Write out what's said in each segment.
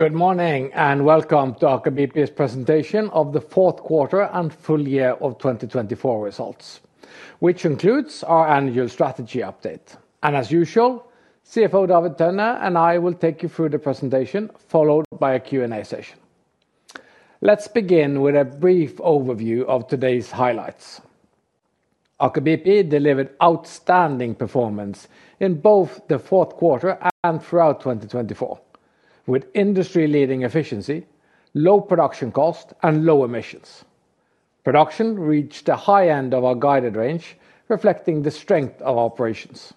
Good morning and welcome to Aker BP's presentation of the fourth quarter and full year of 2024 results, which includes our annual strategy update, and as usual, CFO David Tønne and I will take you through the presentation, followed by a Q&A session. Let's begin with a brief overview of today's highlights. Aker BP delivered outstanding performance in both the fourth quarter and throughout 2024, with industry-leading efficiency, low production cost, and low emissions. Production reached the high end of our guided range, reflecting the strength of our operations.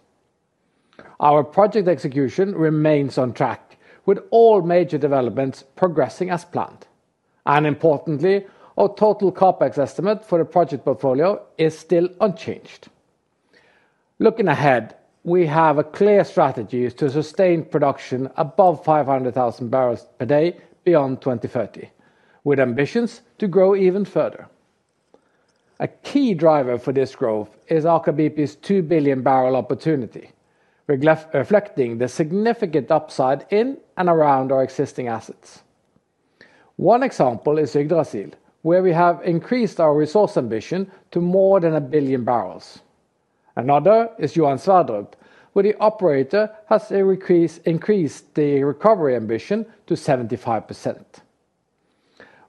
Our project execution remains on track, with all major developments progressing as planned, and importantly, our total CAPEX estimate for the project portfolio is still unchanged. Looking ahead, we have a clear strategy to sustain production above 500,000 barrels per day beyond 2030, with ambitions to grow even further. A key driver for this growth is Aker BP's 2 billion barrel opportunity, reflecting the significant upside in and around our existing assets. One example is Yggdrasil, where we have increased our resource ambition to more than a billion barrels. Another is Johan Sverdrup, where the operator has increased the recovery ambition to 75%.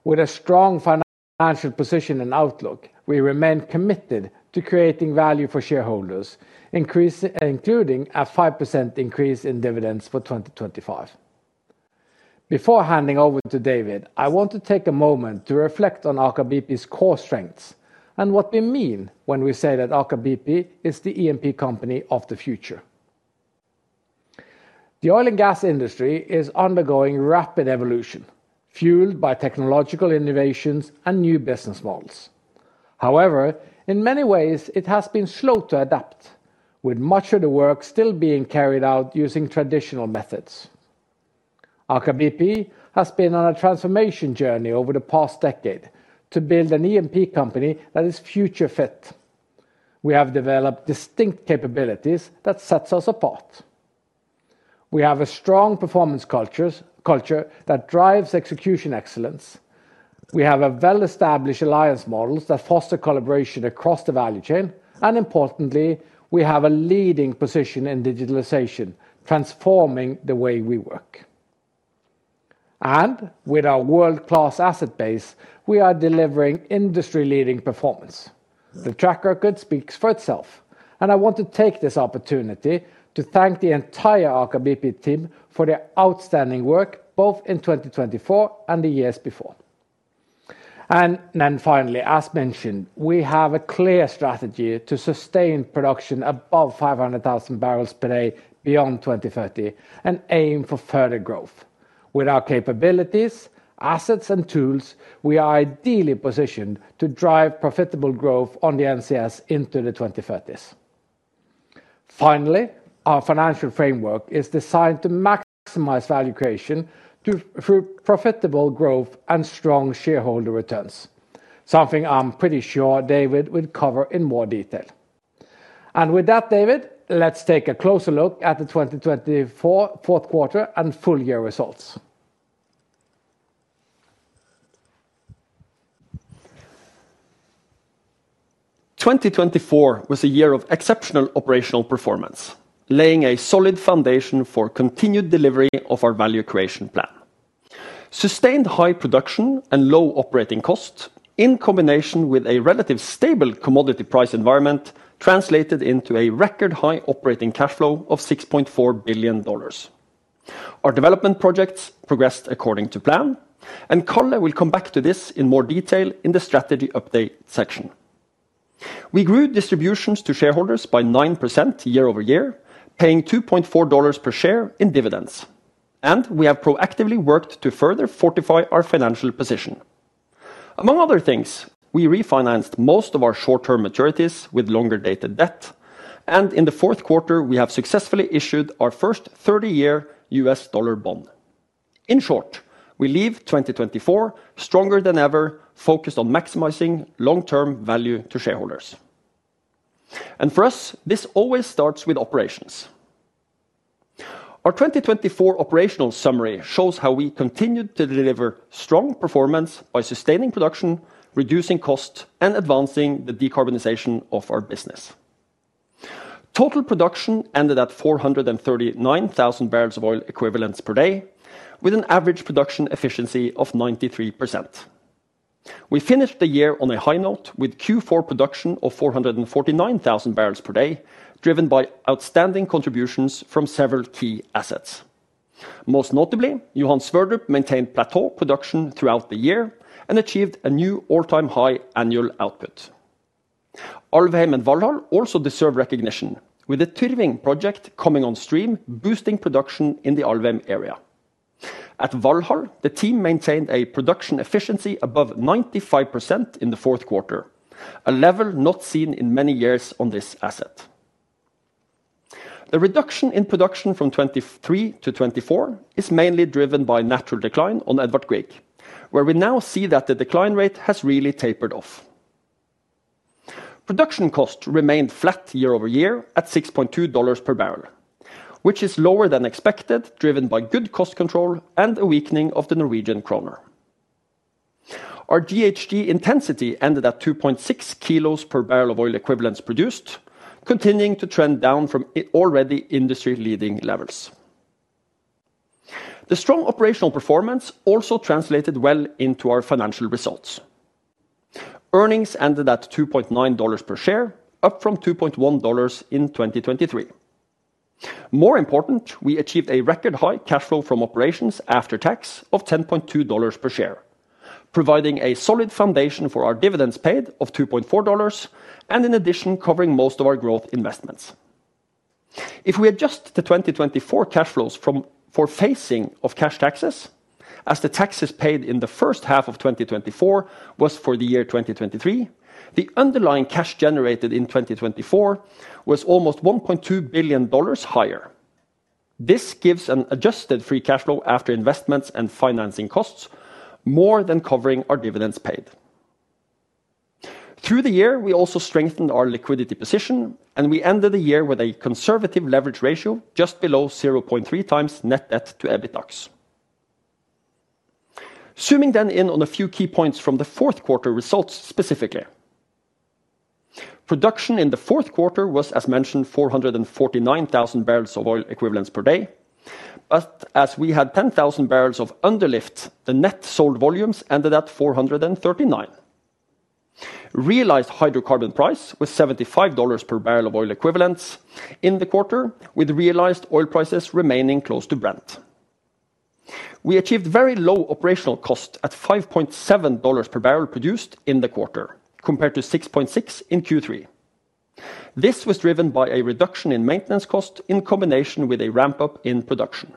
With a strong financial position and outlook, we remain committed to creating value for shareholders, including a 5% increase in dividends for 2025. Before handing over to David, I want to take a moment to reflect on Aker BP's core strengths and what we mean when we say that Aker BP is the E&P company of the future. The oil and gas industry is undergoing rapid evolution, fueled by technological innovations and new business models. However, in many ways, it has been slow to adapt, with much of the work still being carried out using traditional methods. Aker BP has been on a transformation journey over the past decade to build an E&P company that is future-fit. We have developed distinct capabilities that set us apart. We have a strong performance culture that drives execution excellence. We have well-established alliance models that foster collaboration across the value chain. And importantly, we have a leading position in digitalization, transforming the way we work. And with our world-class asset base, we are delivering industry-leading performance. The track record speaks for itself, and I want to take this opportunity to thank the entire Aker BP team for their outstanding work, both in 2024 and the years before. And then finally, as mentioned, we have a clear strategy to sustain production above 500,000 barrels per day beyond 2030 and aim for further growth. With our capabilities, assets, and tools, we are ideally positioned to drive profitable growth on the NCS into the 2030s. Finally, our financial framework is designed to maximize value creation through profitable growth and strong shareholder returns, something I'm pretty sure David will cover in more detail. And with that, David, let's take a closer look at the 2024 fourth quarter and full year results. 2024 was a year of exceptional operational performance, laying a solid foundation for continued delivery of our value creation plan. Sustained high production and low operating costs, in combination with a relatively stable commodity price environment, translated into a record high operating cash flow of $6.4 billion. Our development projects progressed according to plan, and Karl will come back to this in more detail in the strategy update section. We grew distributions to shareholders by 9% year over year, paying $2.4 per share in dividends, and we have proactively worked to further fortify our financial position. Among other things, we refinanced most of our short-term maturities with longer-dated debt, and in the fourth quarter, we have successfully issued our first 30-year U.S. dollar bond. In short, we leave 2024 stronger than ever, focused on maximizing long-term value to shareholders. And for us, this always starts with operations. Our 2024 operational summary shows how we continued to deliver strong performance by sustaining production, reducing costs, and advancing the decarbonization of our business. Total production ended at 439,000 barrels of oil equivalents per day, with an average production efficiency of 93%. We finished the year on a high note with Q4 production of 449,000 barrels per day, driven by outstanding contributions from several key assets. Most notably, Johan Sverdrup maintained plateau production throughout the year and achieved a new all-time high annual output. Alvheim and Valhall also deserve recognition, with the Tyrving project coming on stream, boosting production in the Alvheim area. At Valhall, the team maintained a production efficiency above 95% in the fourth quarter, a level not seen in many years on this asset. The reduction in production from 2023 to 2024 is mainly driven by natural decline on Edvard Grieg, where we now see that the decline rate has really tapered off. Production cost remained flat year over year at $6.2 per barrel, which is lower than expected, driven by good cost control and a weakening of the Norwegian krone. Our GHG intensity ended at 2.6 kilos per barrel of oil equivalents produced, continuing to trend down from already industry-leading levels. The strong operational performance also translated well into our financial results. Earnings ended at $2.9 per share, up from $2.1 in 2023. More important, we achieved a record high cash flow from operations after tax of $10.2 per share, providing a solid foundation for our dividends paid of $2.4 and in addition, covering most of our growth investments. If we adjust the 2024 cash flows for phasing of cash taxes, as the taxes paid in the first half of 2024 was for the year 2023, the underlying cash generated in 2024 was almost $1.2 billion higher. This gives an adjusted free cash flow after investments and financing costs more than covering our dividends paid. Through the year, we also strengthened our liquidity position, and we ended the year with a conservative leverage ratio just below 0.3 times net debt to EBITDAX. Zooming then in on a few key points from the fourth quarter results specifically. Production in the fourth quarter was, as mentioned, 449,000 barrels of oil equivalents per day. But as we had 10,000 barrels of underlift, the net sold volumes ended at 439. Realized hydrocarbon price was $75 per barrel of oil equivalents in the quarter, with realized oil prices remaining close to Brent. We achieved very low operational cost at $5.7 per barrel produced in the quarter, compared to $6.6 in Q3. This was driven by a reduction in maintenance cost in combination with a ramp-up in production.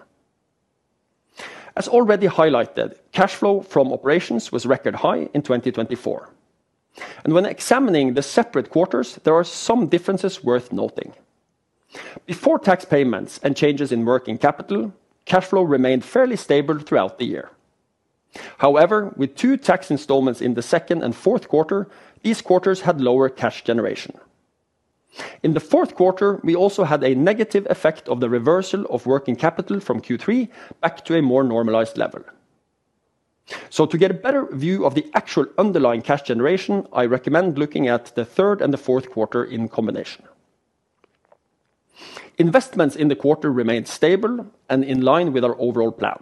As already highlighted, cash flow from operations was record high in 2024, and when examining the separate quarters, there are some differences worth noting. Before tax payments and changes in working capital, cash flow remained fairly stable throughout the year. However, with two tax installments in the second and fourth quarter, these quarters had lower cash generation. In the fourth quarter, we also had a negative effect of the reversal of working capital from Q3 back to a more normalized level, so to get a better view of the actual underlying cash generation, I recommend looking at the third and the fourth quarter in combination. Investments in the quarter remained stable and in line with our overall plan.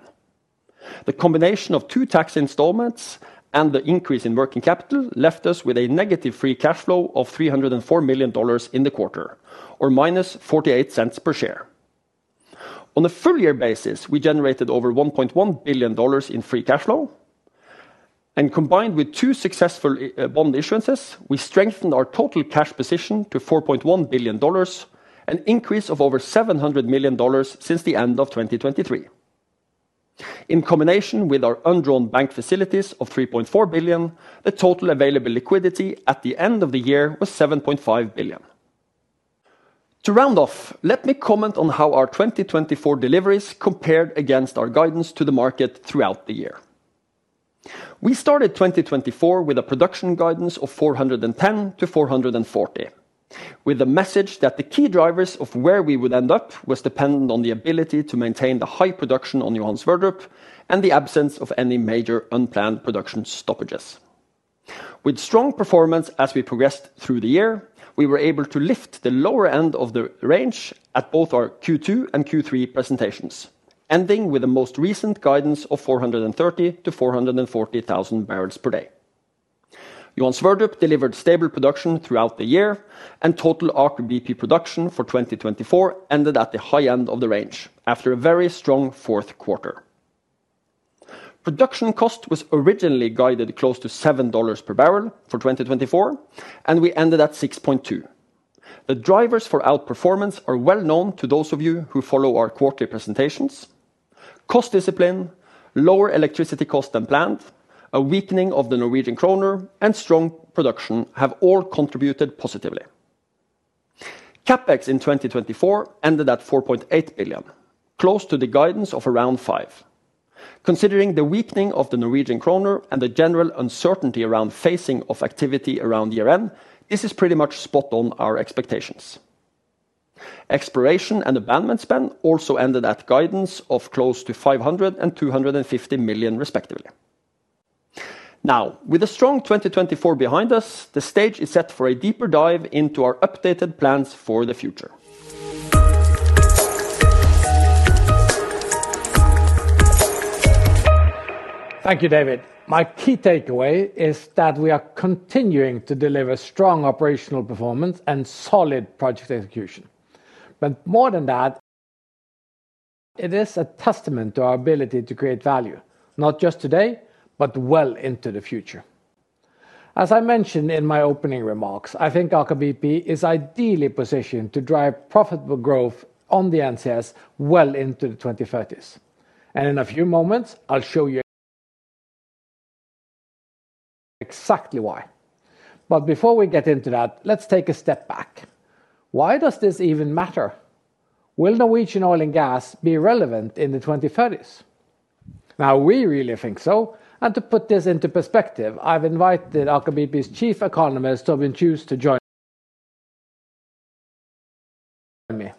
The combination of two tax installments and the increase in working capital left us with a negative free cash flow of $304 million in the quarter, or minus $0.48 per share. On a full year basis, we generated over $1.1 billion in free cash flow, and combined with two successful bond issuances, we strengthened our total cash position to $4.1 billion, an increase of over $700 million since the end of 2023. In combination with our undrawn bank facilities of $3.4 billion, the total available liquidity at the end of the year was $7.5 billion. To round off, let me comment on how our 2024 deliveries compared against our guidance to the market throughout the year. We started 2024 with a production guidance of 410-440, with the message that the key drivers of where we would end up were dependent on the ability to maintain the high production on Johan Sverdrup and the absence of any major unplanned production stoppages. With strong performance as we progressed through the year, we were able to lift the lower end of the range at both our Q2 and Q3 presentations, ending with the most recent guidance of 430-440,000 barrels per day. Johan Sverdrup delivered stable production throughout the year, and total Aker BP production for 2024 ended at the high end of the range after a very strong fourth quarter. Production cost was originally guided close to $7 per barrel for 2024, and we ended at $6.2. The drivers for outperformance are well known to those of you who follow our quarterly presentations. Cost discipline, lower electricity costs than planned, a weakening of the Norwegian krone, and strong production have all contributed positively. CAPEX in 2024 ended at $4.8 billion, close to the guidance of around $5 billion. Considering the weakening of the Norwegian krone and the general uncertainty around phasing of activity around year end, this is pretty much spot on our expectations. Exploration and abandonment spend also ended at guidance of close to $500 million and $250 million, respectively. Now, with a strong 2024 behind us, the stage is set for a deeper dive into our updated plans for the future. Thank you, David. My key takeaway is that we are continuing to deliver strong operational performance and solid project execution. But more than that, it is a testament to our ability to create value, not just today, but well into the future. As I mentioned in my opening remarks, I think Aker BP is ideally positioned to drive profitable growth on the NCS well into the 2030s. And in a few moments, I'll show you exactly why. But before we get into that, let's take a step back. Why does this even matter? Will Norwegian oil and gas be relevant in the 2030s? Now, we really think so. And to put this into perspective, I've invited Aker BP's Chief Economist, Torbjørn Kjus, to join me.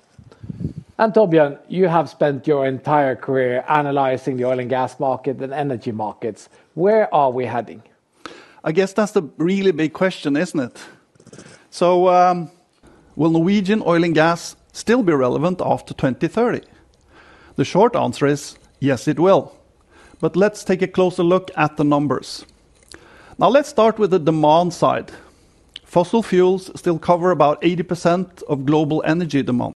And Torbjørn, you have spent your entire career analyzing the oil and gas market and energy markets. Where are we heading? I guess that's the really big question, isn't it? So will Norwegian oil and gas still be relevant after 2030? The short answer is yes, it will. But let's take a closer look at the numbers. Now, let's start with the demand side. Fossil fuels still cover about 80% of global energy demand.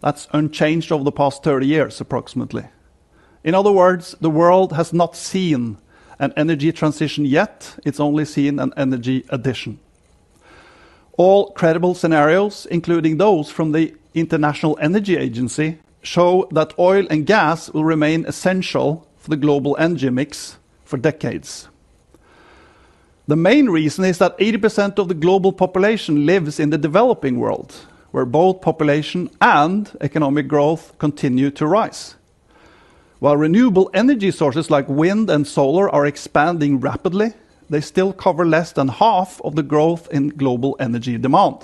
That's unchanged over the past 30 years, approximately. In other words, the world has not seen an energy transition yet. It's only seen an energy addition. All credible scenarios, including those from the International Energy Agency, show that oil and gas will remain essential for the global energy mix for decades. The main reason is that 80% of the global population lives in the developing world, where both population and economic growth continue to rise. While renewable energy sources like wind and solar are expanding rapidly, they still cover less than half of the growth in global energy demand.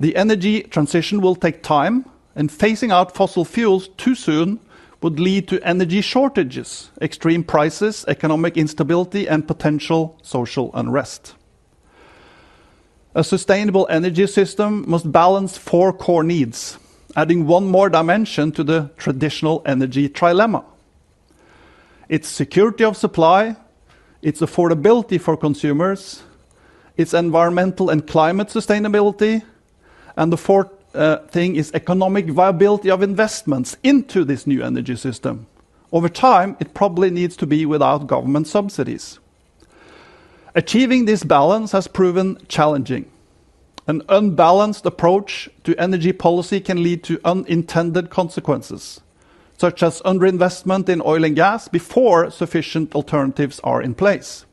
The energy transition will take time, and phasing out fossil fuels too soon would lead to energy shortages, extreme prices, economic instability, and potential social unrest. A sustainable energy system must balance four core needs, adding one more dimension to the traditional energy trilemma. It's security of supply, its affordability for consumers, its environmental and climate sustainability, and the fourth thing is economic viability of investments into this new energy system. Over time, it probably needs to be without government subsidies. Achieving this balance has proven challenging. An unbalanced approach to energy policy can lead to unintended consequences, such as underinvestment in oil and gas before sufficient alternatives are in place.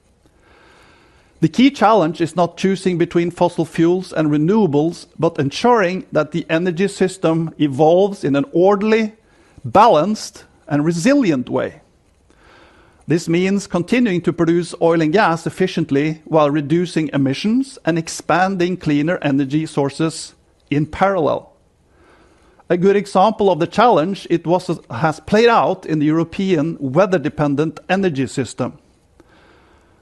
The key challenge is not choosing between fossil fuels and renewables, but ensuring that the energy system evolves in an orderly, balanced, and resilient way. This means continuing to produce oil and gas efficiently while reducing emissions and expanding cleaner energy sources in parallel. A good example of the challenge it has played out in the European weather-dependent energy system.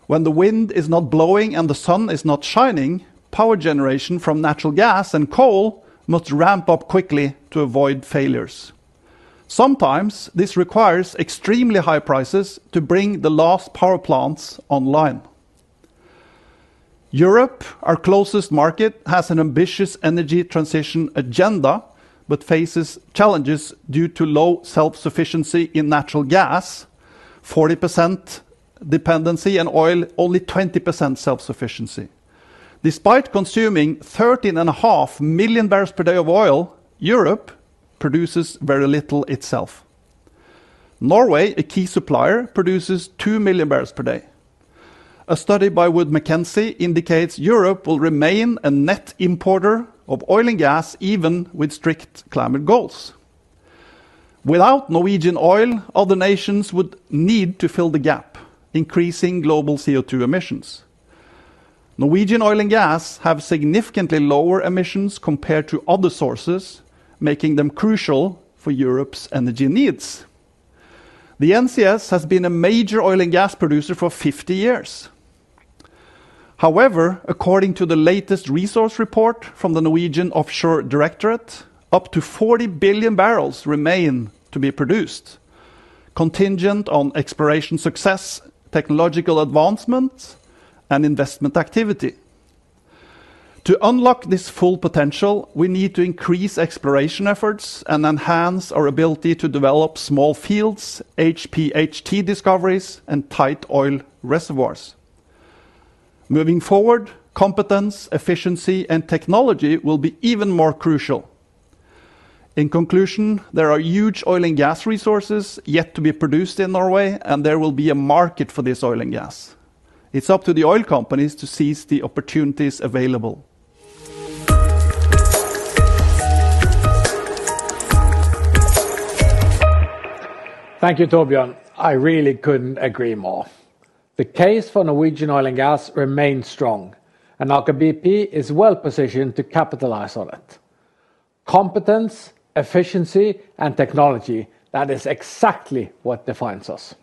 When the wind is not blowing and the sun is not shining, power generation from natural gas and coal must ramp up quickly to avoid failures. Sometimes this requires extremely high prices to bring the last power plants online. Europe, our closest market, has an ambitious energy transition agenda but faces challenges due to low self-sufficiency in natural gas, 40% dependency, and oil only 20% self-sufficiency. Despite consuming 13.5 million barrels per day of oil, Europe produces very little itself. Norway, a key supplier, produces 2 million barrels per day. A study by Wood Mackenzie indicates Europe will remain a net importer of oil and gas even with strict climate goals. Without Norwegian oil, other nations would need to fill the gap, increasing global CO2 emissions. Norwegian oil and gas have significantly lower emissions compared to other sources, making them crucial for Europe's energy needs. The NCS has been a major oil and gas producer for 50 years. However, according to the latest resource report from the Norwegian Offshore Directorate, up to 40 billion barrels remain to be produced, contingent on exploration success, technological advancements, and investment activity. To unlock this full potential, we need to increase exploration efforts and enhance our ability to develop small fields, HPHT discoveries, and tight oil reservoirs. Moving forward, competence, efficiency, and technology will be even more crucial. In conclusion, there are huge oil and gas resources yet to be produced in Norway, and there will be a market for this oil and gas. It's up to the oil companies to seize the opportunities available. Thank you, Torbjørn. I really couldn't agree more. The case for Norwegian oil and gas remains strong, and Aker BP is well positioned to capitalize on it. Competence, efficiency, and technology, that is exactly what defines us.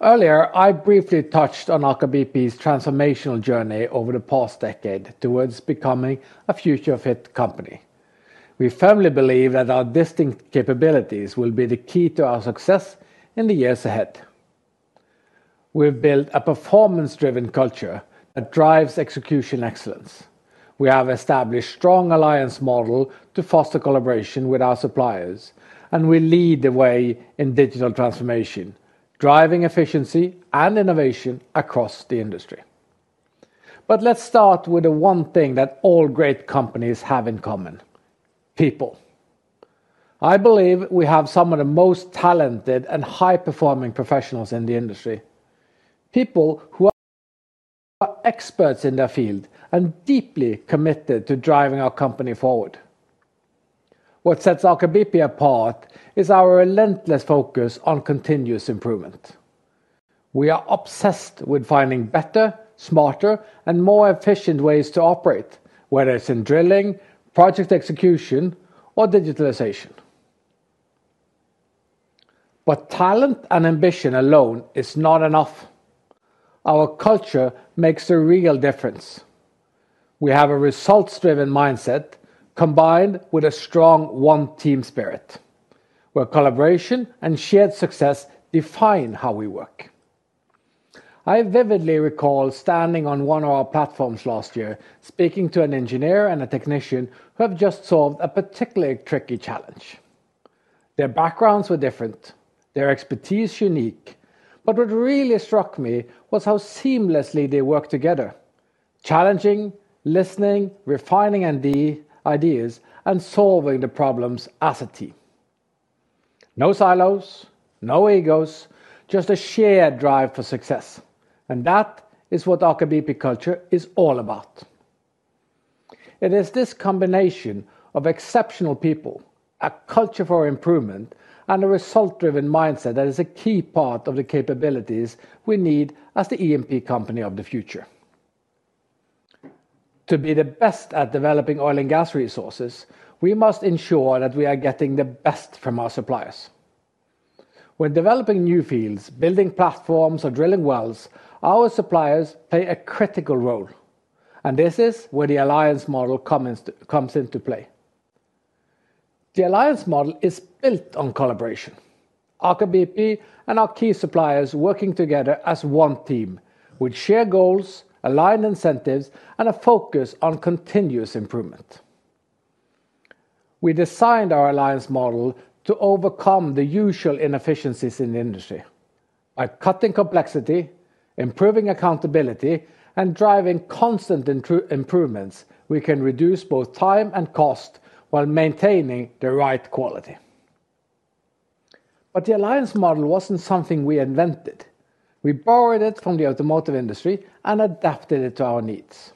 Earlier, I briefly touched on Aker BP's transformational journey over the past decade towards becoming a future-fit company. We firmly believe that our distinct capabilities will be the key to our success in the years ahead. We've built a performance-driven culture that drives execution excellence. We have established a strong alliance model to foster collaboration with our suppliers, and we lead the way in digital transformation, driving efficiency and innovation across the industry. But let's start with the one thing that all great companies have in common: people. I believe we have some of the most talented and high-performing professionals in the industry, people who are experts in their field and deeply committed to driving our company forward. What sets Aker BP apart is our relentless focus on continuous improvement. We are obsessed with finding better, smarter, and more efficient ways to operate, whether it's in drilling, project execution, or digitalization. But talent and ambition alone are not enough. Our culture makes a real difference. We have a results-driven mindset combined with a strong one-team spirit, where collaboration and shared success define how we work. I vividly recall standing on one of our platforms last year, speaking to an engineer and a technician who have just solved a particularly tricky challenge. Their backgrounds were different, their expertise unique, but what really struck me was how seamlessly they worked together, challenging, listening, refining ideas, and solving the problems as a team. No silos, no egos, just a shared drive for success. And that is what Aker BP culture is all about. It is this combination of exceptional people, a culture for improvement, and a result-driven mindset that is a key part of the capabilities we need as the E&P company of the future. To be the best at developing oil and gas resources, we must ensure that we are getting the best from our suppliers. When developing new fields, building platforms, or drilling wells, our suppliers play a critical role. And this is where the alliance model comes into play. The alliance model is built on collaboration. Aker BP and our key suppliers work together as one team, with shared goals, aligned incentives, and a focus on continuous improvement. We designed our alliance model to overcome the usual inefficiencies in the industry. By cutting complexity, improving accountability, and driving constant improvements, we can reduce both time and cost while maintaining the right quality. But the alliance model wasn't something we invented. We borrowed it from the automotive industry and adapted it to our needs.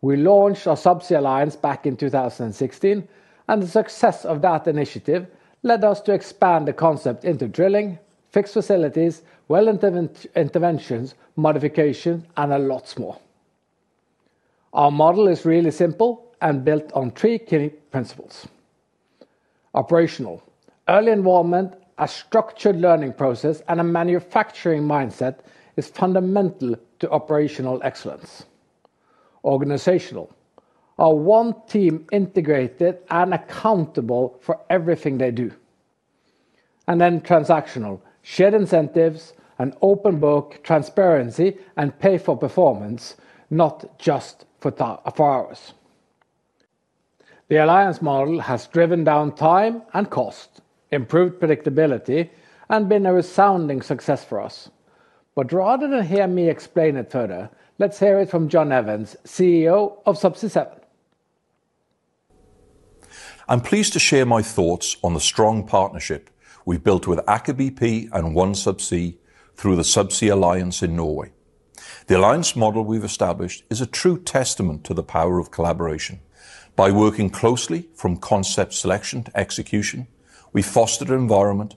We launched our Subsea Alliance back in 2016, and the success of that initiative led us to expand the concept into drilling, fixed facilities, well interventions, modification, and a lot more. Our model is really simple and built on three key principles. Operational: early involvement, a structured learning process, and a manufacturing mindset is fundamental to operational excellence. Organizational: our one team integrated and accountable for everything they do. And then transactional: shared incentives, an open book, transparency, and pay for performance, not just for hours. The alliance model has driven down time and cost, improved predictability, and been a resounding success for us. But rather than hear me explain it further, let's hear it from John Evans, CEO of Subsea7. I'm pleased to share my thoughts on the strong partnership we've built with Aker BP and OneSubsea through the Subsea Alliance in Norway. The alliance model we've established is a true testament to the power of collaboration. By working closely, from concept selection to execution, we've fostered an environment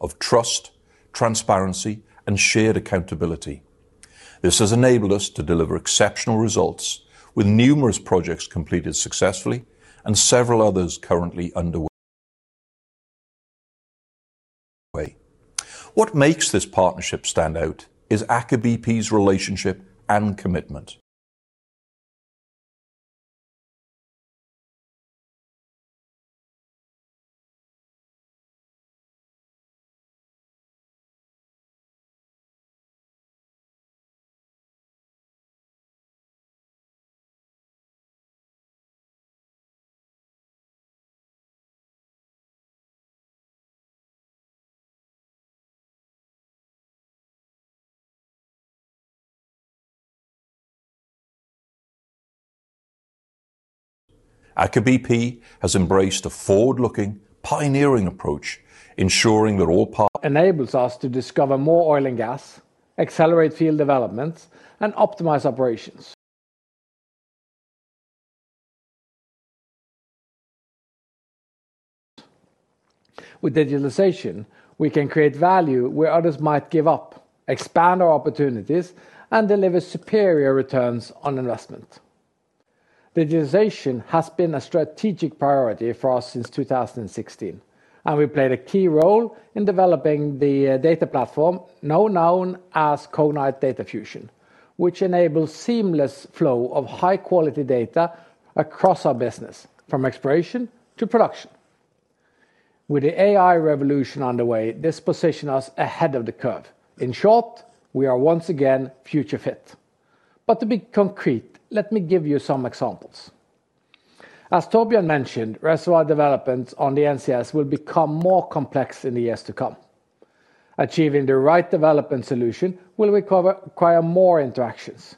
of trust, transparency, and shared accountability. This has enabled us to deliver exceptional results, with numerous projects completed successfully and several others currently underway. What makes this partnership stand out is Aker BP's relationship and commitment. Aker BP has embraced a forward-looking, pioneering approach, ensuring that all. Enables us to discover more oil and gas, accelerate field developments, and optimize operations. With digitalization, we can create value where others might give up, expand our opportunities, and deliver superior returns on investment. Digitalization has been a strategic priority for us since 2016, and we played a key role in developing the data platform now known as Cognite Data Fusion, which enables a seamless flow of high-quality data across our business, from exploration to production. With the AI revolution underway, this positions us ahead of the curve. In short, we are once again future-fit. But to be concrete, let me give you some examples. As Torbjørn mentioned, reservoir developments on the NCS will become more complex in the years to come. Achieving the right development solution will require more interactions.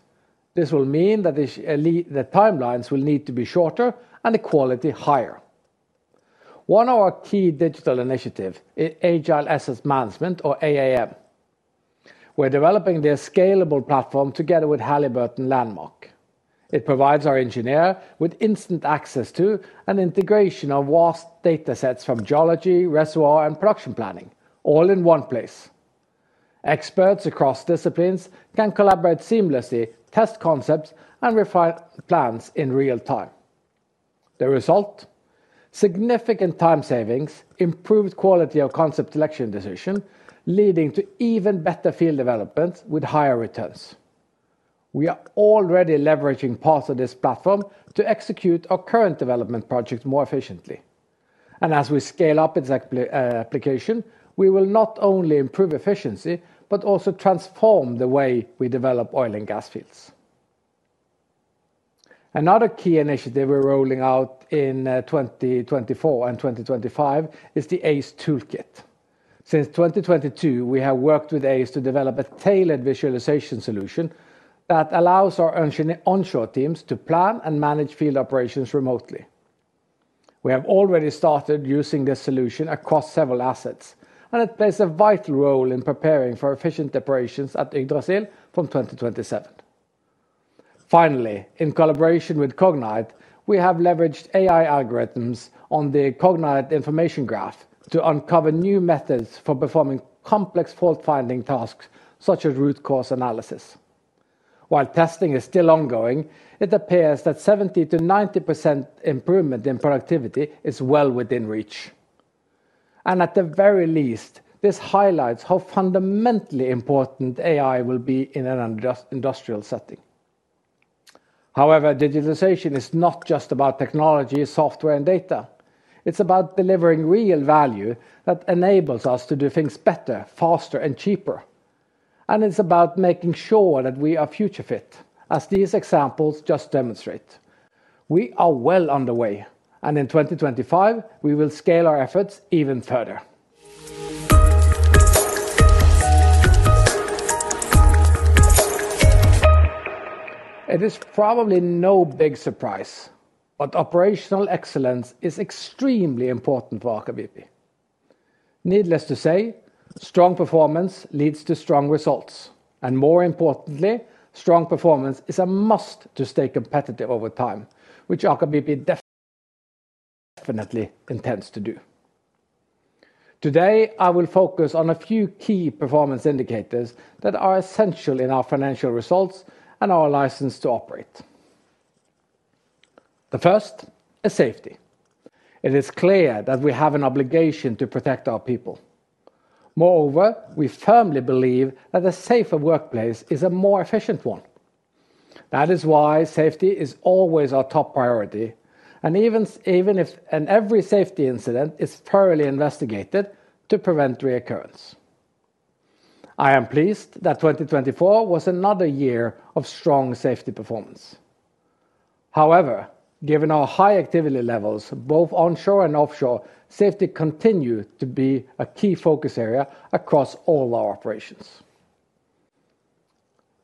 This will mean that the timelines will need to be shorter and the quality higher. One of our key digital initiatives is Agile Asset Management, or AAM. We're developing this scalable platform together with Halliburton Landmark. It provides our engineers with instant access to and integration of vast datasets from geology, reservoir, and production planning, all in one place. Experts across disciplines can collaborate seamlessly, test concepts, and refine plans in real time. The result? Significant time savings, improved quality of concept selection decision, leading to even better field developments with higher returns. We are already leveraging parts of this platform to execute our current development projects more efficiently, and as we scale up its application, we will not only improve efficiency but also transform the way we develop oil and gas fields. Another key initiative we're rolling out in 2024 and 2025 is the Aize toolkit. Since 2022, we have worked with Aize to develop a tailored visualization solution that allows our onshore teams to plan and manage field operations remotely. We have already started using this solution across several assets, and it plays a vital role in preparing for efficient operations at Yggdrasil from 2027. Finally, in collaboration with Cognite, we have leveraged AI algorithms on the Cognite Information Graph to uncover new methods for performing complex fault-finding tasks such as root cause analysis. While testing is still ongoing, it appears that 70%-90% improvement in productivity is well within reach, and at the very least, this highlights how fundamentally important AI will be in an industrial setting. However, digitalization is not just about technology, software, and data. It's about delivering real value that enables us to do things better, faster, and cheaper. It's about making sure that we are future-fit, as these examples just demonstrate. We are well underway, and in 2025, we will scale our efforts even further. It is probably no big surprise, but operational excellence is extremely important for Aker BP. Needless to say, strong performance leads to strong results. And more importantly, strong performance is a must to stay competitive over time, which Aker BP definitely intends to do. Today, I will focus on a few key performance indicators that are essential in our financial results and our license to operate. The first is safety. It is clear that we have an obligation to protect our people. Moreover, we firmly believe that a safer workplace is a more efficient one. That is why safety is always our top priority, and even if every safety incident is thoroughly investigated to prevent reoccurrence. I am pleased that 2024 was another year of strong safety performance. However, given our high activity levels, both onshore and offshore, safety continues to be a key focus area across all our operations.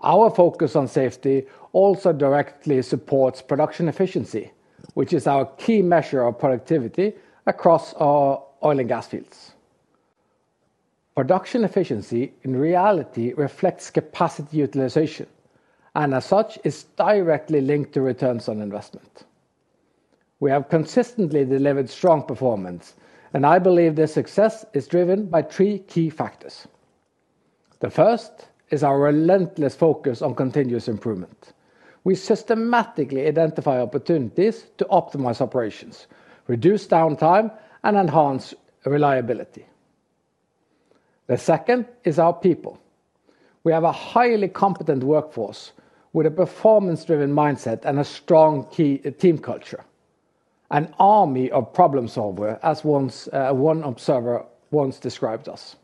Our focus on safety also directly supports production efficiency, which is our key measure of productivity across our oil and gas fields. Production efficiency in reality reflects capacity utilization, and as such, it's directly linked to returns on investment. We have consistently delivered strong performance, and I believe this success is driven by three key factors. The first is our relentless focus on continuous improvement. We systematically identify opportunities to optimize operations, reduce downtime, and enhance reliability. The second is our people. We have a highly competent workforce with a performance-driven mindset and a strong team culture, an army of problem solvers, as one observer once described us.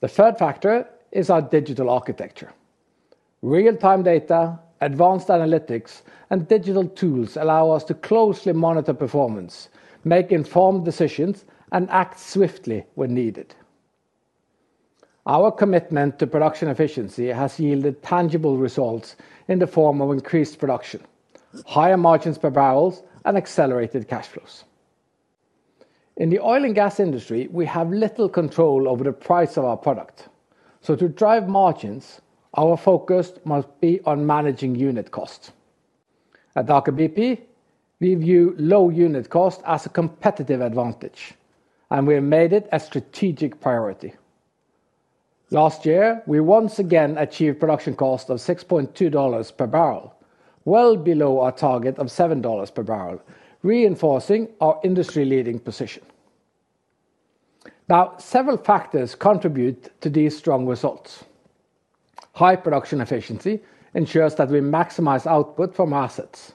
The third factor is our digital architecture. Real-time data, advanced analytics, and digital tools allow us to closely monitor performance, make informed decisions, and act swiftly when needed. Our commitment to production efficiency has yielded tangible results in the form of increased production, higher margins per barrel, and accelerated cash flows. In the oil and gas industry, we have little control over the price of our product. So to drive margins, our focus must be on managing unit cost. At Aker BP, we view low unit cost as a competitive advantage, and we have made it a strategic priority. Last year, we once again achieved production cost of $6.2 per barrel, well below our target of $7 per barrel, reinforcing our industry-leading position. Now, several factors contribute to these strong results. High production efficiency ensures that we maximize output from our assets,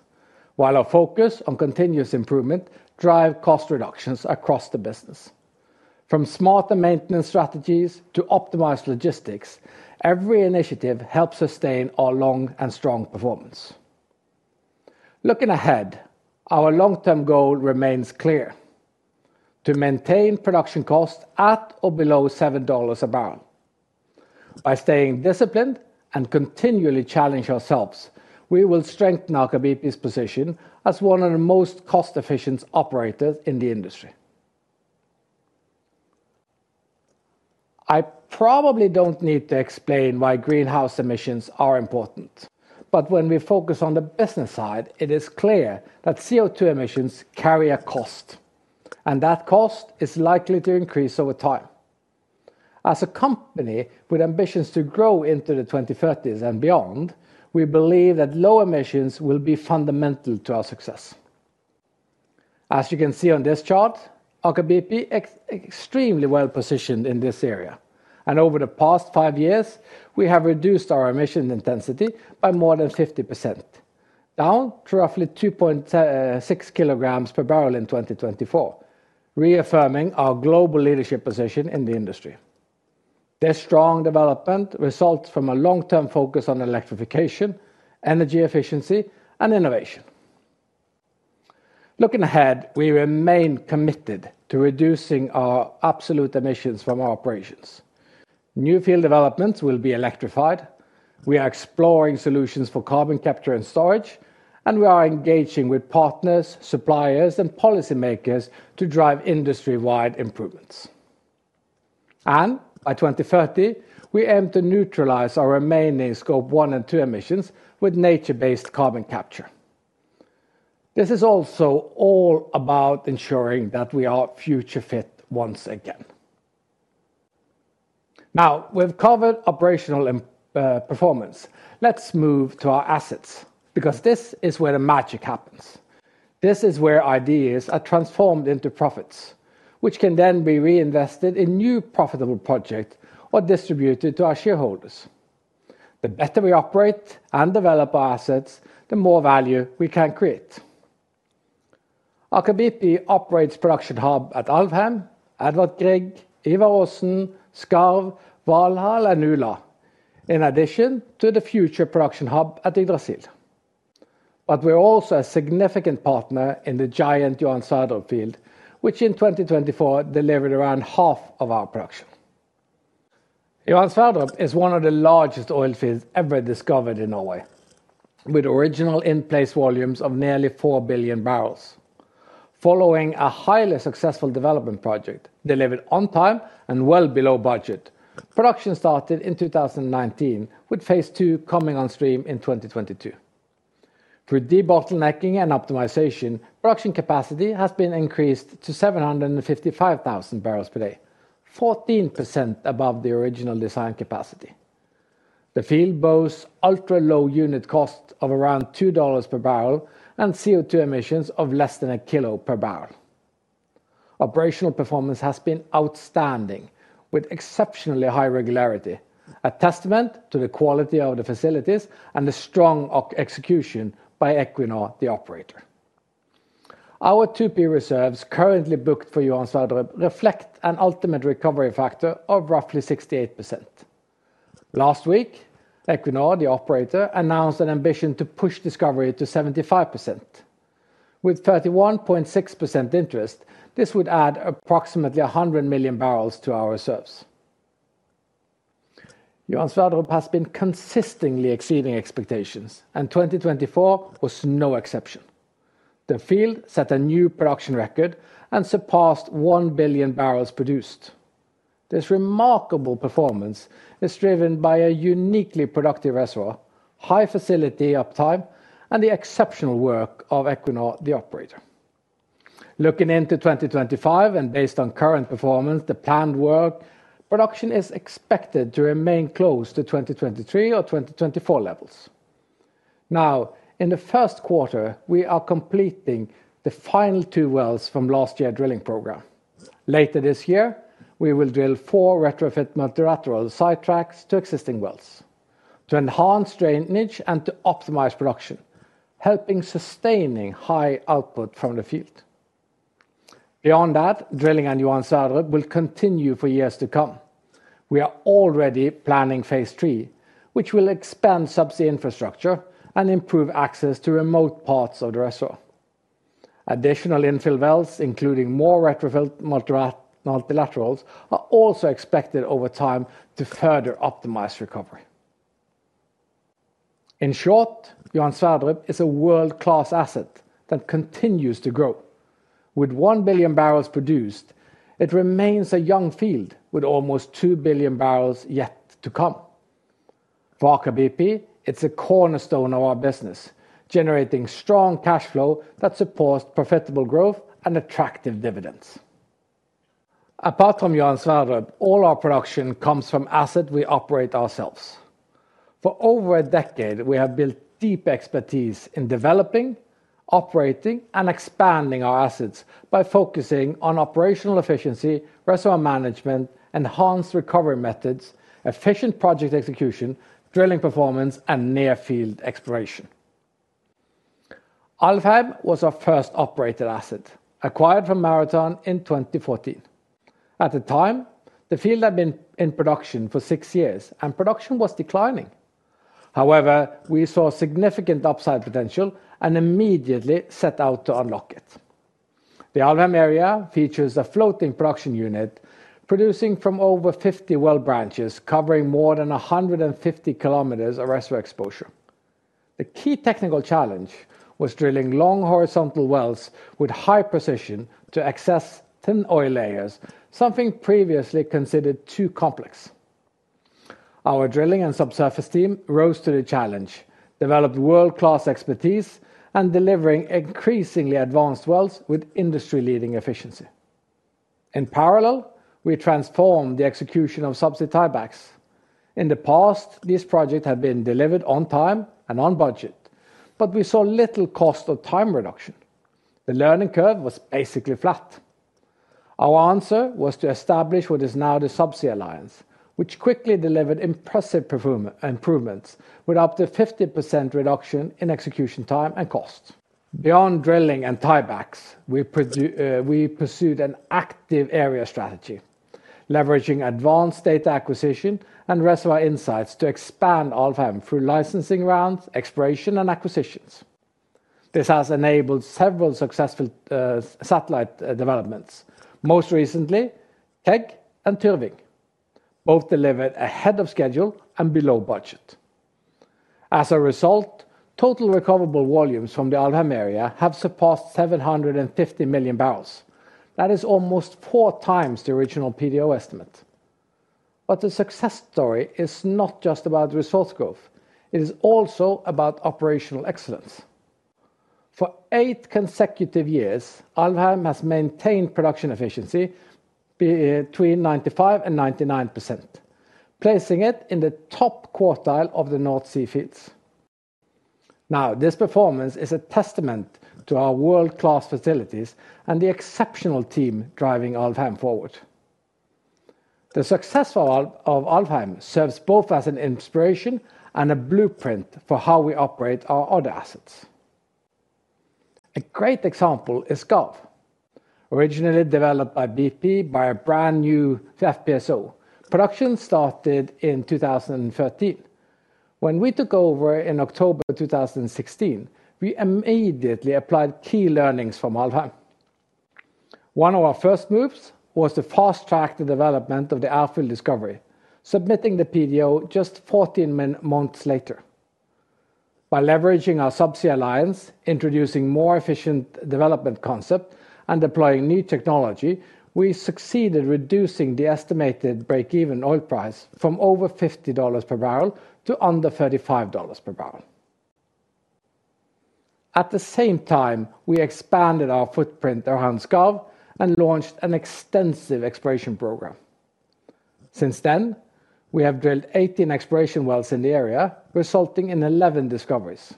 while our focus on continuous improvement drives cost reductions across the business. From smarter maintenance strategies to optimized logistics, every initiative helps sustain our long and strong performance. Looking ahead, our long-term goal remains clear: to maintain production costs at or below $7 a barrel. By staying disciplined and continually challenging ourselves, we will strengthen Aker BP's position as one of the most cost-efficient operators in the industry. I probably don't need to explain why greenhouse emissions are important, but when we focus on the business side, it is clear that CO2 emissions carry a cost, and that cost is likely to increase over time. As a company with ambitions to grow into the 2030s and beyond, we believe that low emissions will be fundamental to our success. As you can see on this chart, Aker BP is extremely well positioned in this area. Over the past five years, we have reduced our emission intensity by more than 50%, down to roughly 2.6 kilograms per barrel in 2024, reaffirming our global leadership position in the industry. This strong development results from a long-term focus on electrification, energy efficiency, and innovation. Looking ahead, we remain committed to reducing our absolute emissions from our operations. New field developments will be electrified. We are exploring solutions for carbon capture and storage, and we are engaging with partners, suppliers, and policymakers to drive industry-wide improvements. By 2030, we aim to neutralize our remaining Scope 1 and 2 emissions with nature-based carbon capture. This is also all about ensuring that we are future-fit once again. Now, we've covered operational performance. Let's move to our assets, because this is where the magic happens. This is where ideas are transformed into profits, which can then be reinvested in new profitable projects or distributed to our shareholders. The better we operate and develop our assets, the more value we can create. Aker BP operates production hubs at Alvheim, Edvard Grieg, Ivar Aasen, Skarv, Valhall, and Ula, in addition to the future production hub at Yggdrasil. But we're also a significant partner in the giant Johan Sverdrup field, which in 2024 delivered around half of our production. Johan Sverdrup is one of the largest oil fields ever discovered in Norway, with original in-place volumes of nearly 4 billion barrels, following a highly successful development project delivered on time and well below budget. Production started in 2019, with phase two coming on stream in 2022. Through de-bottlenecking and optimization, production capacity has been increased to 755,000 barrels per day, 14% above the original design capacity. The field boasts ultra-low unit costs of around $2 per barrel and CO2 emissions of less than a kilo per barrel. Operational performance has been outstanding, with exceptionally high regularity, a testament to the quality of the facilities and the strong execution by Equinor, the operator. Our 2P reserves currently booked for Johan Sverdrup reflect an ultimate recovery factor of roughly 68%. Last week, Equinor, the operator, announced an ambition to push recovery to 75%. With 31.6% interest, this would add approximately 100 million barrels to our reserves. Johan Sverdrup has been consistently exceeding expectations, and 2024 was no exception. The field set a new production record and surpassed 1 billion barrels produced. This remarkable performance is driven by a uniquely productive reservoir, high facility uptime, and the exceptional work of Equinor, the operator. Looking into 2025 and based on current performance, the planned work production is expected to remain close to 2023 or 2024 levels. Now, in the first quarter, we are completing the final two wells from last year's drilling program. Later this year, we will drill four retrofit multilateral side tracks to existing wells to enhance drainage and to optimize production, helping sustain high output from the field. Beyond that, drilling at Johan Sverdrup will continue for years to come. We are already planning phase three, which will expand subsea infrastructure and improve access to remote parts of the reservoir. Additional infill wells, including more retrofit multilaterals, are also expected over time to further optimize recovery. In short, Johan Sverdrup is a world-class asset that continues to grow. With one billion barrels produced, it remains a young field with almost two billion barrels yet to come. For Aker BP, it's a cornerstone of our business, generating strong cash flow that supports profitable growth and attractive dividends. Apart from Johan Sverdrup, all our production comes from assets we operate ourselves. For over a decade, we have built deep expertise in developing, operating, and expanding our assets by focusing on operational efficiency, reservoir management, enhanced recovery methods, efficient project execution, drilling performance, and near-field exploration. Alvheim was our first operated asset, acquired from Marathon Oil in 2014. At the time, the field had been in production for six years, and production was declining. However, we saw significant upside potential and immediately set out to unlock it. The Alvheim area features a floating production unit producing from over 50 well branches covering more than 150 km of reservoir exposure. The key technical challenge was drilling long horizontal wells with high precision to access thin oil layers, something previously considered too complex. Our drilling and subsurface team rose to the challenge, developed world-class expertise, and delivered increasingly advanced wells with industry-leading efficiency. In parallel, we transformed the execution of subsea tiebacks. In the past, these projects had been delivered on time and on budget, but we saw little cost or time reduction. The learning curve was basically flat. Our answer was to establish what is now the Subsea Alliance, which quickly delivered impressive improvements with up to 50% reduction in execution time and cost. Beyond drilling and tiebacks, we pursued an active area strategy, leveraging advanced data acquisition and reservoir insights to expand Alvheim through licensing rounds, exploration, and acquisitions. This has enabled several successful satellite developments, most recently KEG and Tyrving. Both delivered ahead of schedule and below budget. As a result, total recoverable volumes from the Alvheim area have surpassed 750 million barrels. That is almost four times the original PDO estimate. But the success story is not just about resource growth. It is also about operational excellence. For eight consecutive years, Alvheim has maintained production efficiency between 95% and 99%, placing it in the top quartile of the North Sea fields. Now, this performance is a testament to our world-class facilities and the exceptional team driving Alvheim forward. The success of Alvheim serves both as an inspiration and a blueprint for how we operate our other assets. A great example is Skarv, originally developed by BP with a brand new FPSO. Production started in 2013. When we took over in October 2016, we immediately applied key learnings from Alvheim. One of our first moves was to fast-track the development of the Ivar Aasen discovery, submitting the PDO just 14 months later. By leveraging our Subsea Alliance, introducing more efficient development concepts, and deploying new technology, we succeeded in reducing the estimated break-even oil price from over $50 per barrel to under $35 per barrel. At the same time, we expanded our footprint around Skarv and launched an extensive exploration program. Since then, we have drilled 18 exploration wells in the area, resulting in 11 discoveries.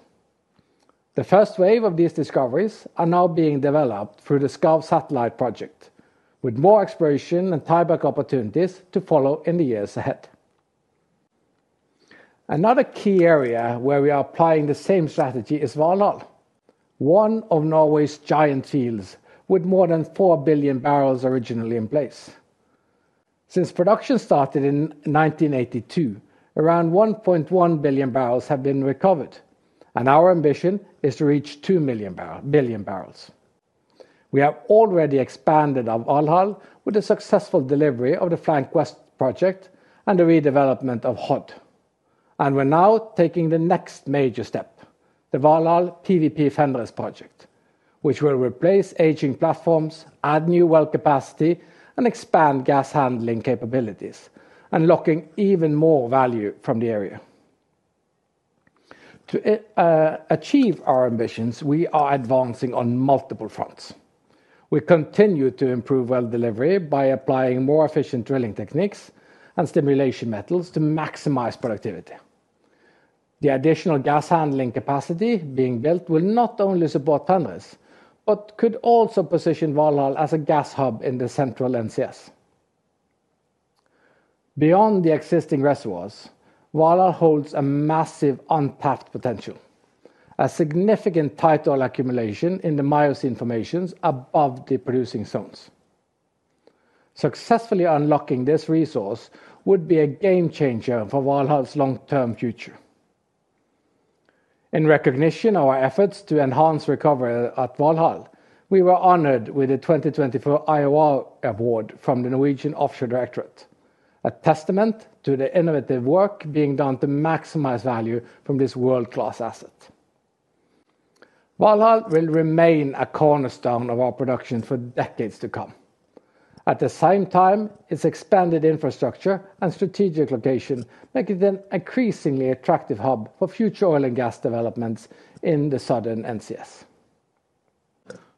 The first wave of these discoveries is now being developed through the Skarv satellite project, with more exploration and tieback opportunities to follow in the years ahead. Another key area where we are applying the same strategy is Valhall, one of Norway's giant fields with more than 4 billion barrels originally in place. Since production started in 1982, around 1.1 billion barrels have been recovered, and our ambition is to reach 2 million barrels. We have already expanded Valhall with the successful delivery of the Flank West project and the redevelopment of Hod. We're now taking the next major step, the Valhall PWP-Fenris project, which will replace aging platforms, add new well capacity, and expand gas handling capabilities, unlocking even more value from the area. To achieve our ambitions, we are advancing on multiple fronts. We continue to improve well delivery by applying more efficient drilling techniques and stimulation methods to maximize productivity. The additional gas handling capacity being built will not only support Fenris, but could also position Valhall as a gas hub in the central NCS. Beyond the existing reservoirs, Valhall holds a massive untapped potential, a significant oil accumulation in the Miocene formations above the producing zones. Successfully unlocking this resource would be a game changer for Valhall's long-term future. In recognition of our efforts to enhance recovery at Valhall, we were honored with the 2024 IOR Award from the Norwegian Offshore Directorate, a testament to the innovative work being done to maximize value from this world-class asset. Valhall will remain a cornerstone of our production for decades to come. At the same time, its expanded infrastructure and strategic location make it an increasingly attractive hub for future oil and gas developments in the southern NCS.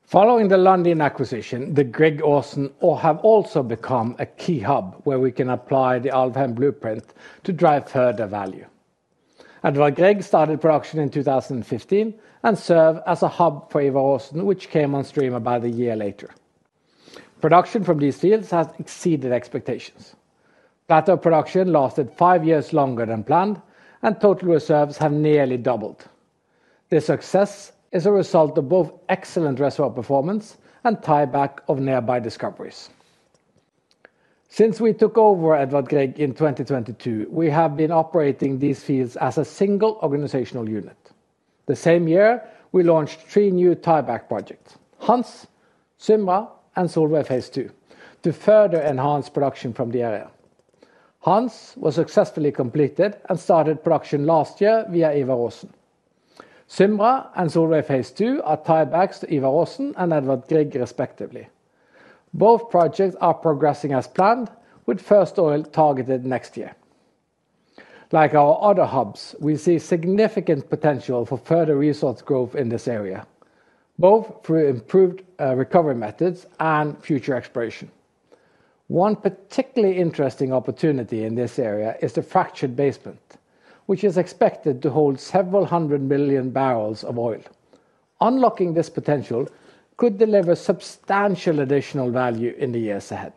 Following the Lundin acquisition, the Grieg-Aasen have also become a key hub where we can apply the Alvheim blueprint to drive further value. Edvard Grieg started production in 2015 and served as a hub for Ivar Aasen, which came on stream about a year later. Production from these fields has exceeded expectations. Plateau production lasted five years longer than planned, and total reserves have nearly doubled. This success is a result of both excellent reservoir performance and tieback of nearby discoveries. Since we took over Edvard Grieg in 2022, we have been operating these fields as a single organizational unit. The same year, we launched three new tieback projects: Hanz, Symra, and Solveig Phase II, to further enhance production from the area. Hanz was successfully completed and started production last year via Ivar Aasen. Symra and Solveig Phase II are tiebacks to Ivar Aasen and Edvard Grieg, respectively. Both projects are progressing as planned, with first oil targeted next year. Like our other hubs, we see significant potential for further resource growth in this area, both through improved recovery methods and future exploration. One particularly interesting opportunity in this area is the fractured basement, which is expected to hold several hundred million barrels of oil. Unlocking this potential could deliver substantial additional value in the years ahead.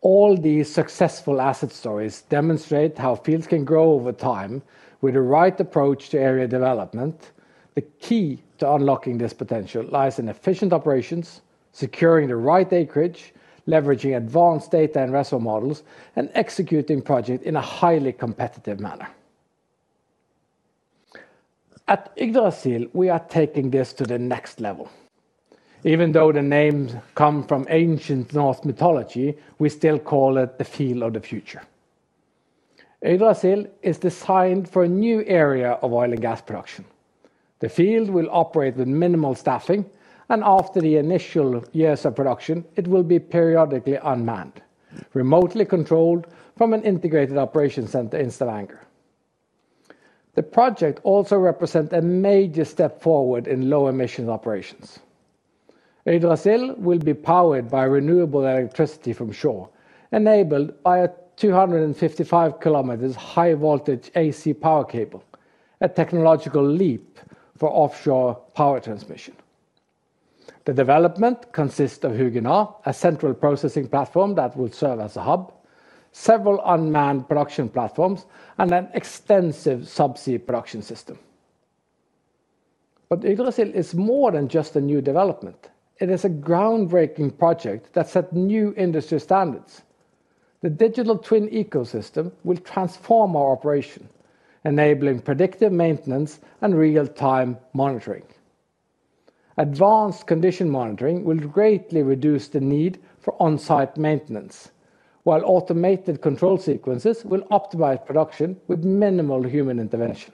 All these successful asset stories demonstrate how fields can grow over time with the right approach to area development. The key to unlocking this potential lies in efficient operations, securing the right acreage, leveraging advanced data and reservoir models, and executing projects in a highly competitive manner. At Yggdrasil, we are taking this to the next level. Even though the name comes from ancient Norse mythology, we still call it the field of the future. Yggdrasil is designed for a new area of oil and gas production. The field will operate with minimal staffing, and after the initial years of production, it will be periodically unmanned, remotely controlled from an integrated operations center in Stavanger. The project also represents a major step forward in low-emission operations. Yggdrasil will be powered by renewable electricity from shore, enabled by a 255 km high-voltage AC power cable, a technological leap for offshore power transmission. The development consists of Hugin, a central processing platform that will serve as a hub, several unmanned production platforms, and an extensive subsea production system. But Yggdrasil is more than just a new development. It is a groundbreaking project that sets new industry standards. The digital twin ecosystem will transform our operation, enabling predictive maintenance and real-time monitoring. Advanced condition monitoring will greatly reduce the need for on-site maintenance, while automated control sequences will optimize production with minimal human intervention.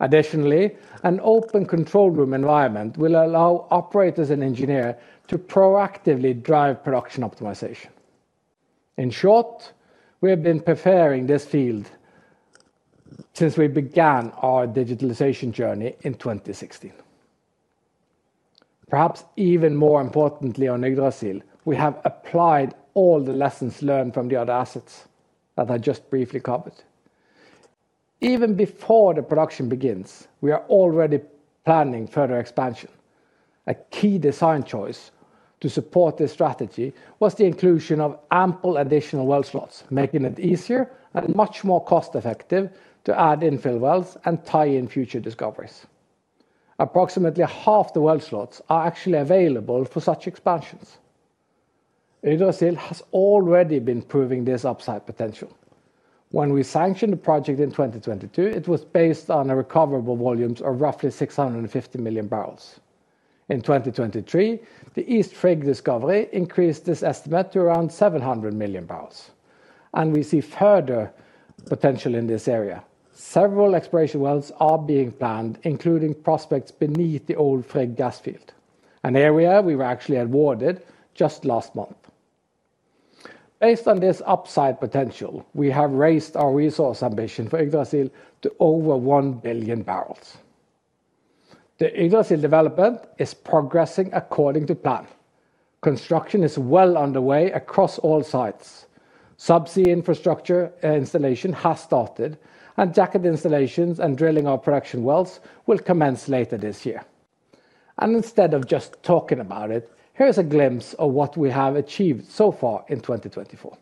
Additionally, an open control room environment will allow operators and engineers to proactively drive production optimization. In short, we have been preparing this field since we began our digitalization journey in 2016. Perhaps even more importantly on Yggdrasil, we have applied all the lessons learned from the other assets that I just briefly covered. Even before the production begins, we are already planning further expansion. A key design choice to support this strategy was the inclusion of ample additional well slots, making it easier and much more cost-effective to add infill wells and tie in future discoveries. Approximately half the well slots are actually available for such expansions. Yggdrasil has already been proving this upside potential. When we sanctioned the project in 2022, it was based on recoverable volumes of roughly 650 million barrels. In 2023, the East Frigg discovery increased this estimate to around 700 million barrels, and we see further potential in this area. Several exploration wells are being planned, including prospects beneath the old Frigg gas field, an area we were actually awarded just last month. Based on this upside potential, we have raised our resource ambition for Yggdrasil to over 1 billion barrels. The Yggdrasil development is progressing according to plan. Construction is well underway across all sites. Subsea infrastructure installation has started, and jacket installations and drilling of production wells will commence later this year. Instead of just talking about it, here's a glimpse of what we have achieved so far in 2024.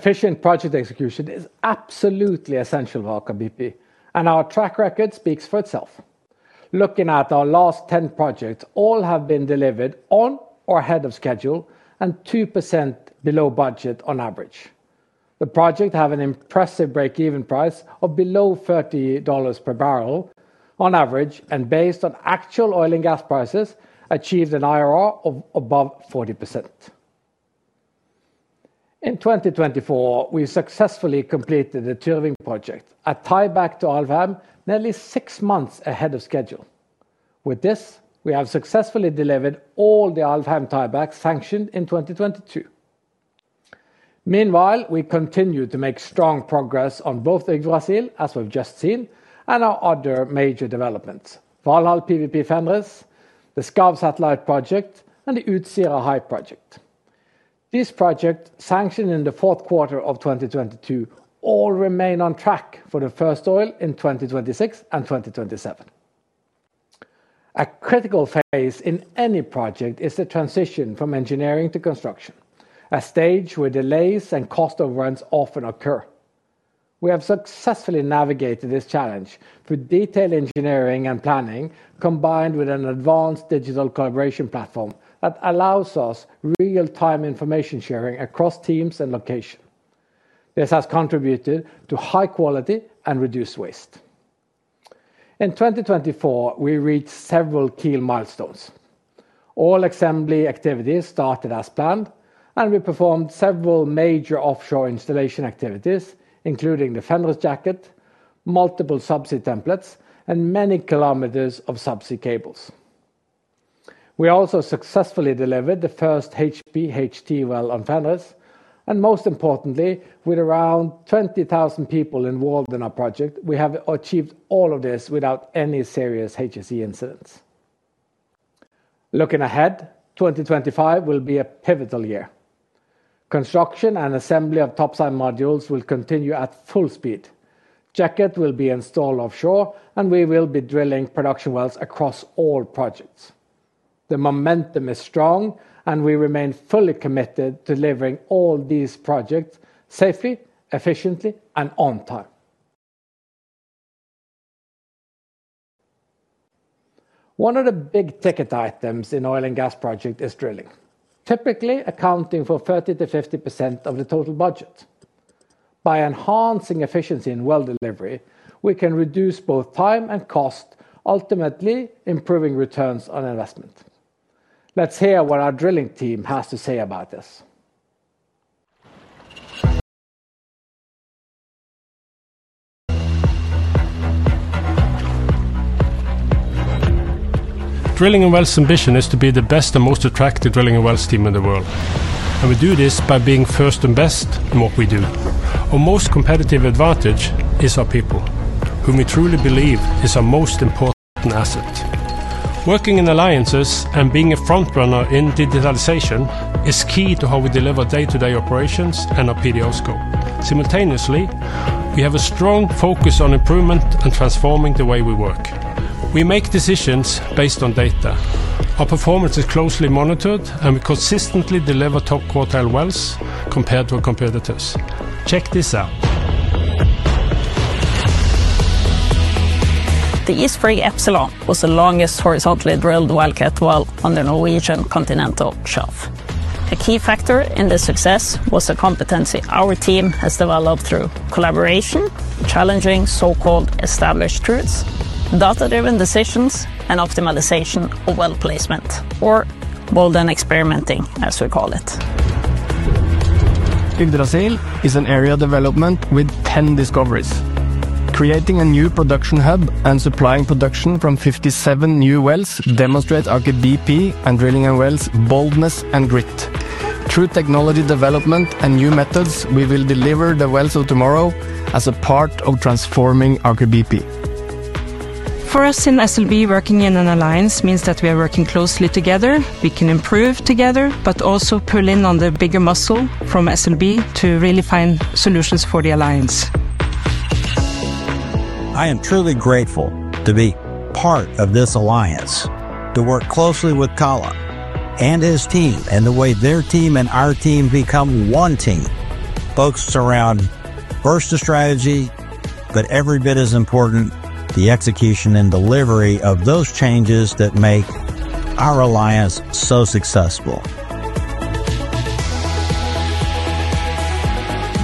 Efficient project execution is absolutely essential for Aker BP, and our track record speaks for itself. Looking at our last 10 projects, all have been delivered on or ahead of schedule and 2% below budget on average. The projects have an impressive break-even price of below $30 per barrel on average, and based on actual oil and gas prices, achieved an IRR of above 40%. In 2024, we successfully completed the Tyrving project at tie-back to Alvheim nearly six months ahead of schedule. With this, we have successfully delivered all the Alvheim tie-backs sanctioned in 2022. Meanwhile, we continue to make strong progress on both Yggdrasil, as we've just seen, and our other major developments: Valhall PWP-Fenris, the Skarv satellite project, and the Utsira High project. These projects sanctioned in the fourth quarter of 2022 all remain on track for the first oil in 2026 and 2027. A critical phase in any project is the transition from engineering to construction, a stage where delays and cost overruns often occur. We have successfully navigated this challenge through detailed engineering and planning, combined with an advanced digital collaboration platform that allows us real-time information sharing across teams and locations. This has contributed to high quality and reduced waste. In 2024, we reached several key milestones. All assembly activities started as planned, and we performed several major offshore installation activities, including the Fenris jacket, multiple subsea templates, and many kilometers of subsea cables. We also successfully delivered the first HPHT well on Fenris, and most importantly, with around 20,000 people involved in our project, we have achieved all of this without any serious HSE incidents. Looking ahead, 2025 will be a pivotal year. Construction and assembly of topside modules will continue at full speed. Jackets will be installed offshore, and we will be drilling production wells across all projects. The momentum is strong, and we remain fully committed to delivering all these projects safely, efficiently, and on time. One of the big ticket items in oil and gas projects is drilling, typically accounting for 30%-50% of the total budget. By enhancing efficiency in well delivery, we can reduce both time and cost, ultimately improving returns on investment. Let's hear what our drilling team has to say about this. Drilling and Wells' ambition is to be the best and most attractive drilling and wells team in the world. And we do this by being first and best in what we do. Our most competitive advantage is our people, whom we truly believe are our most important asset. Working in alliances and being a front runner in digitalization is key to how we deliver day-to-day operations and our PDO scope. Simultaneously, we have a strong focus on improvement and transforming the way we work. We make decisions based on data. Our performance is closely monitored, and we consistently deliver top quartile wells compared to our competitors. Check this out. The East Frigg Epsilon was the longest horizontally drilled well on the Norwegian Continental Shelf. A key factor in this success was the competency our team has developed through collaboration, challenging so-called established truths, data-driven decisions, and optimization of well placement, or bold and experimenting, as we call it. Yggdrasil is an area development with 10 discoveries. Creating a new production hub and supplying production from 57 new wells demonstrates Aker BP and Drilling and Wells' boldness and grit. Through technology development and new methods, we will deliver the wells of tomorrow as a part of transforming Aker BP. For us in SLB, working in an alliance means that we are working closely together. We can improve together, but also pull in on the bigger muscle from SLB to really find solutions for the alliance. I am truly grateful to be part of this alliance, to work closely with Karl and his team, and the way their team and our team become one team. Focus around first the strategy, but every bit as important, the execution and delivery of those changes that make our alliance so successful.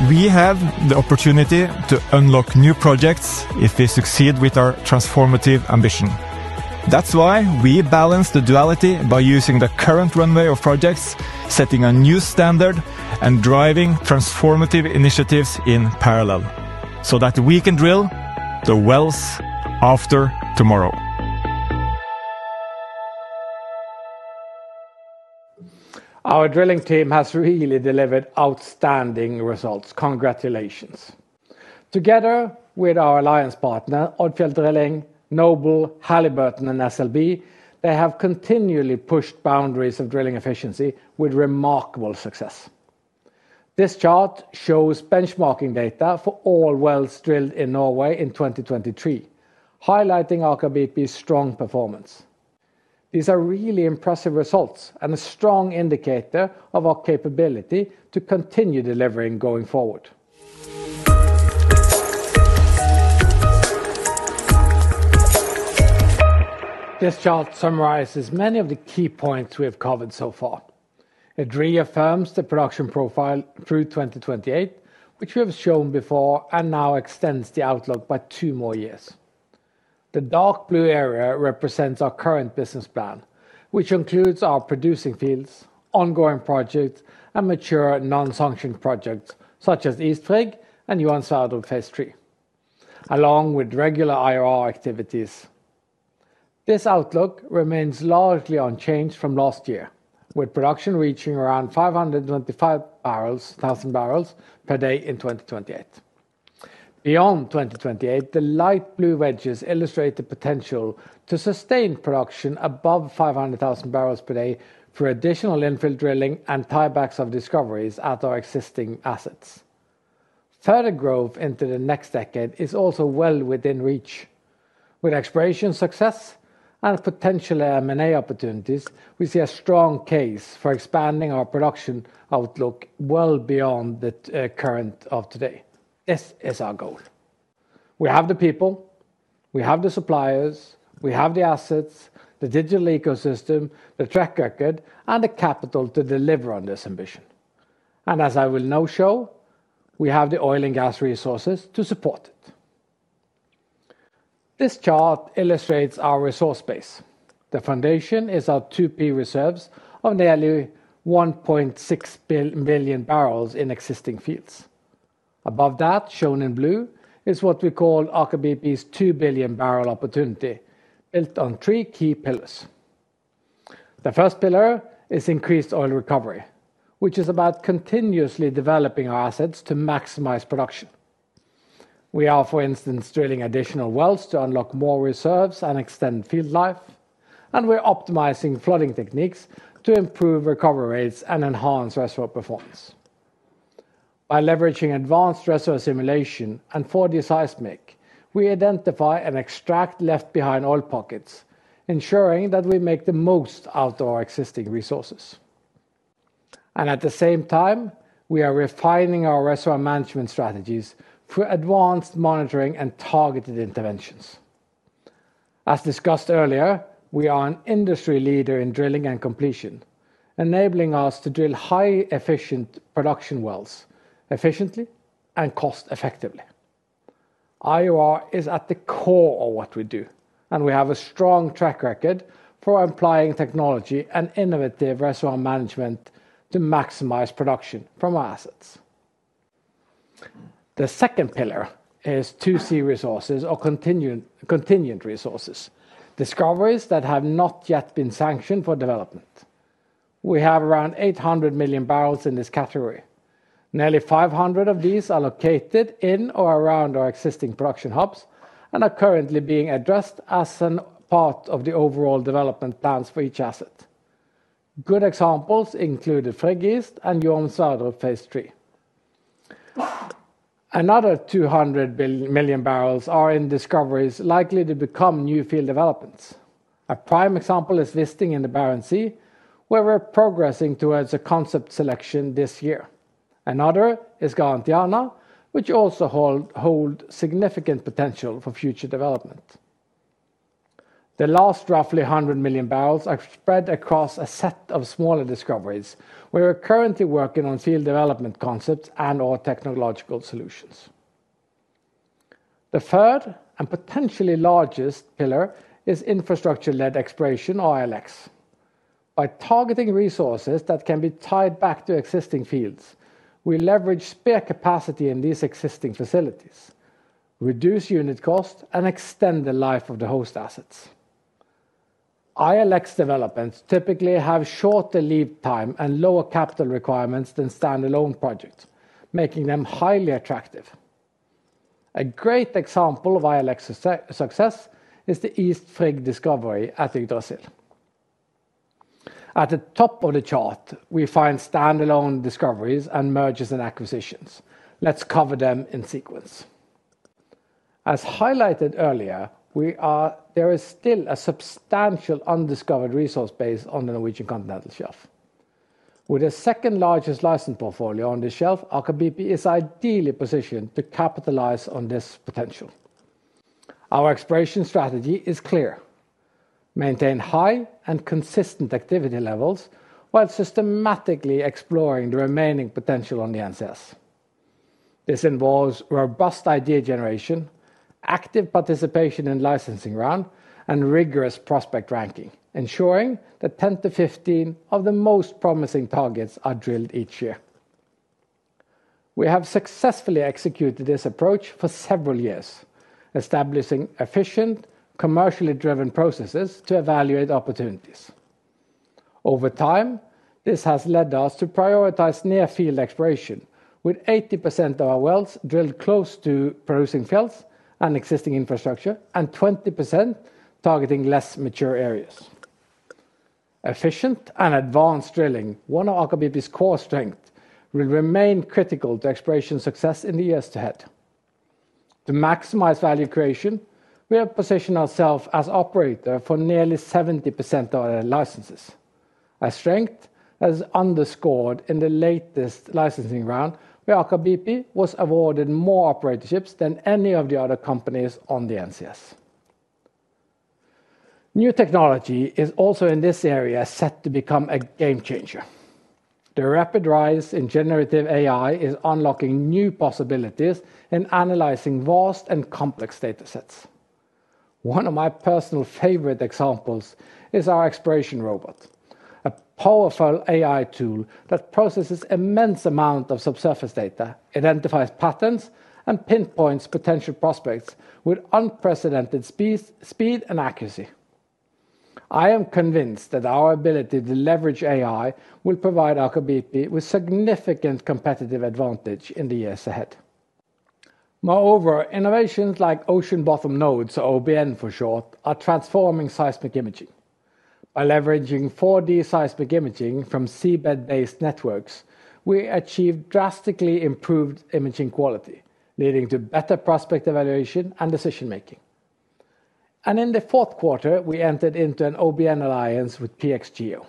We have the opportunity to unlock new projects if we succeed with our transformative ambition. That's why we balance the duality by using the current runway of projects, setting a new standard, and driving transformative initiatives in parallel so that we can drill the wells after tomorrow. Our drilling team has really delivered outstanding results. Congratulations. Together with our alliance partner, Odfjell Drilling, Noble, Halliburton, and SLB, they have continually pushed boundaries of drilling efficiency with remarkable success. This chart shows benchmarking data for all wells drilled in Norway in 2023, highlighting Aker BP's strong performance. These are really impressive results and a strong indicator of our capability to continue delivering going forward. This chart summarizes many of the key points we have covered so far. It reaffirms the production profile through 2028, which we have shown before, and now extends the outlook by two more years. The dark blue area represents our current business plan, which includes our producing fields, ongoing projects, and mature non-sanctioned projects such as East Frigg and Johan Sverdrup phase 3, along with regular IOR activities. This outlook remains largely unchanged from last year, with production reaching around 525,000 barrels per day in 2028. Beyond 2028, the light blue wedges illustrate the potential to sustain production above 500,000 barrels per day for additional infill drilling and tiebacks of discoveries at our existing assets. Further growth into the next decade is also well within reach. With exploration success and potential M&A opportunities, we see a strong case for expanding our production outlook well beyond the current of today. This is our goal. We have the people, we have the suppliers, we have the assets, the digital ecosystem, the track record, and the capital to deliver on this ambition. And as I will now show, we have the oil and gas resources to support it. This chart illustrates our resource base. The foundation is our 2P reserves of nearly 1.6 billion barrels in existing fields. Above that, shown in blue, is what we call Aker BP's 2 billion barrel opportunity, built on three key pillars. The first pillar is increased oil recovery, which is about continuously developing our assets to maximize production. We are, for instance, drilling additional wells to unlock more reserves and extend field life, and we're optimizing flooding techniques to improve recovery rates and enhance reservoir performance. By leveraging advanced reservoir simulation and 4D seismic, we identify and extract left-behind oil pockets, ensuring that we make the most out of our existing resources, and at the same time, we are refining our reservoir management strategies for advanced monitoring and targeted interventions. As discussed earlier, we are an industry leader in drilling and completion, enabling us to drill high-efficiency production wells efficiently and cost-effectively. IOR is at the core of what we do, and we have a strong track record for applying technology and innovative reservoir management to maximize production from our assets. The second pillar is 2C resources or contingent resources, discoveries that have not yet been sanctioned for development. We have around 800 million barrels in this category. Nearly 500 of these are located in or around our existing production hubs and are currently being addressed as part of the overall development plans for each asset. Good examples include East Frigg and Johan Sverdrup S3. Another 200 million barrels are in discoveries likely to become new field developments. A prime example is Wisting in the Barents Sea, where we're progressing towards a concept selection this year. Another is Garantiana, which also holds significant potential for future development. The last roughly 100 million barrels are spread across a set of smaller discoveries where we're currently working on field development concepts and/or technological solutions. The third and potentially largest pillar is infrastructure-led exploration, ILX. By targeting resources that can be tied back to existing fields, we leverage spare capacity in these existing facilities, reduce unit costs, and extend the life of the host assets. ILX developments typically have shorter lead time and lower capital requirements than standalone projects, making them highly attractive. A great example of ILX success is the East Frigg discovery at Yggdrasil. At the top of the chart, we find standalone discoveries and mergers and acquisitions. Let's cover them in sequence. As highlighted earlier, there is still a substantial undiscovered resource base on the Norwegian Continental Shelf. With the second-largest license portfolio on the shelf, Aker BP is ideally positioned to capitalize on this potential. Our exploration strategy is clear: maintain high and consistent activity levels while systematically exploring the remaining potential on the NCS. This involves robust idea generation, active participation in licensing rounds, and rigorous prospect ranking, ensuring that 10-15 of the most promising targets are drilled each year. We have successfully executed this approach for several years, establishing efficient, commercially driven processes to evaluate opportunities. Over time, this has led us to prioritize near-field exploration, with 80% of our wells drilled close to producing fields and existing infrastructure and 20% targeting less mature areas. Efficient and advanced drilling, one of Aker BP's core strengths, will remain critical to exploration success in the years ahead. To maximize value creation, we have positioned ourselves as operator for nearly 70% of our licenses. A strength that is underscored in the latest licensing round, where Aker BP was awarded more operatorships than any of the other companies on the NCS. New technology is also in this area set to become a game changer. The rapid rise in generative AI is unlocking new possibilities in analyzing vast and complex data sets. One of my personal favorite examples is our exploration robot, a powerful AI tool that processes immense amounts of subsurface data, identifies patterns, and pinpoints potential prospects with unprecedented speed and accuracy. I am convinced that our ability to leverage AI will provide Aker BP with significant competitive advantage in the years ahead. Moreover, innovations like Ocean Bottom Nodes, or OBN for short, are transforming seismic imaging. By leveraging 4D seismic imaging from seabed-based networks, we achieve drastically improved imaging quality, leading to better prospect evaluation and decision-making, and in the fourth quarter, we entered into an OBN alliance with PXGEO.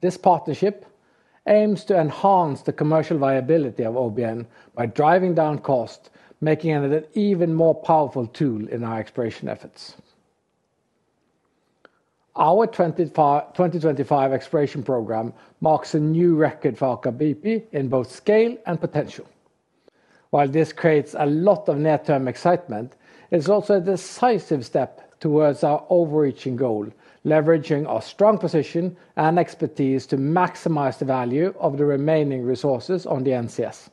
This partnership aims to enhance the commercial viability of OBN by driving down cost, making it an even more powerful tool in our exploration efforts. Our 2025 exploration program marks a new record for Aker BP in both scale and potential. While this creates a lot of near-term excitement, it's also a decisive step towards our overarching goal, leveraging our strong position and expertise to maximize the value of the remaining resources on the NCS.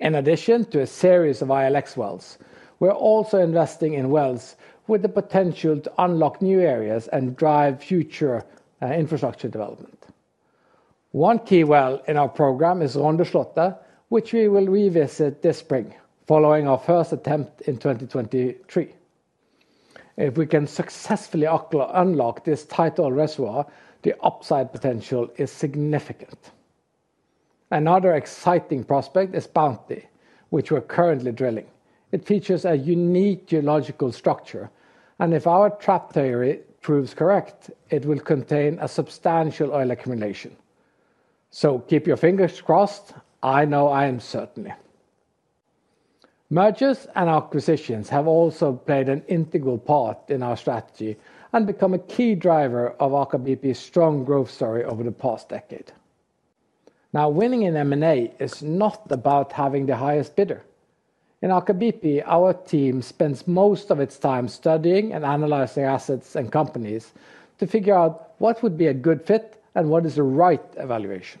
In addition to a series of ILX wells, we're also investing in wells with the potential to unlock new areas and drive future infrastructure development. One key well in our program is Rondeslottet, which we will revisit this spring, following our first attempt in 2023. If we can successfully unlock this tight reservoir, the upside potential is significant. Another exciting prospect is Bounty, which we're currently drilling. It features a unique geological structure, and if our trap theory proves correct, it will contain a substantial oil accumulation. So keep your fingers crossed. I know I am certainly. Mergers and acquisitions have also played an integral part in our strategy and become a key driver of Aker BP's strong growth story over the past decade. Now, winning in M&A is not about having the highest bidder. In Aker BP, our team spends most of its time studying and analyzing assets and companies to figure out what would be a good fit and what is the right valuation.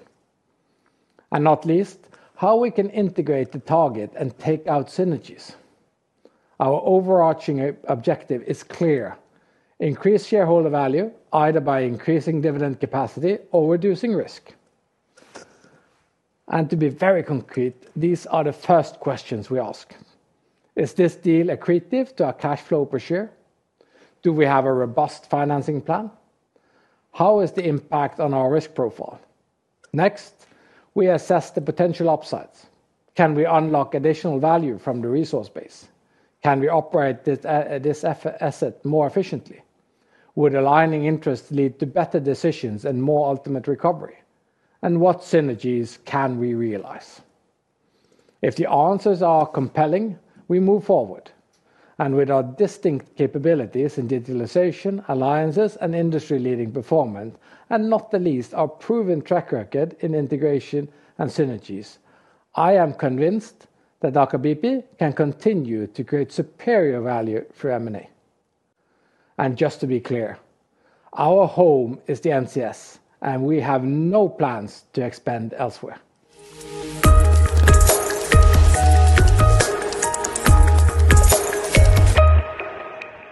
And not least, how we can integrate the target and take out synergies. Our overarching objective is clear: increase shareholder value, either by increasing dividend capacity or reducing risk. And to be very concrete, these are the first questions we ask. Is this deal accretive to our cash flow per share? Do we have a robust financing plan? How is the impact on our risk profile? Next, we assess the potential upsides. Can we unlock additional value from the resource base? Can we operate this asset more efficiently? Would aligning interests lead to better decisions and more ultimate recovery? And what synergies can we realize? If the answers are compelling, we move forward. And with our distinct capabilities in digitalization, alliances, and industry-leading performance, and not the least our proven track record in integration and synergies, I am convinced that Aker BP can continue to create superior value for M&A. And just to be clear, our home is the NCS, and we have no plans to expand elsewhere.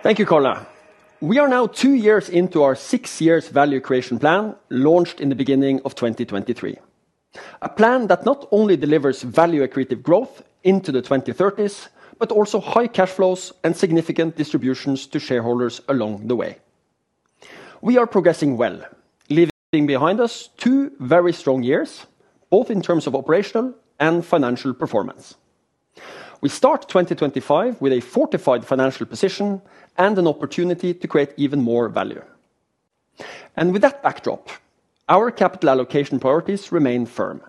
Thank you, Karl. We are now two years into our six-year value creation plan launched in the beginning of 2023. A plan that not only delivers value-accretive growth into the 2030s, but also high cash flows and significant distributions to shareholders along the way. We are progressing well, leaving behind us two very strong years, both in terms of operational and financial performance. We start 2025 with a fortified financial position and an opportunity to create even more value. And with that backdrop, our capital allocation priorities remain firm: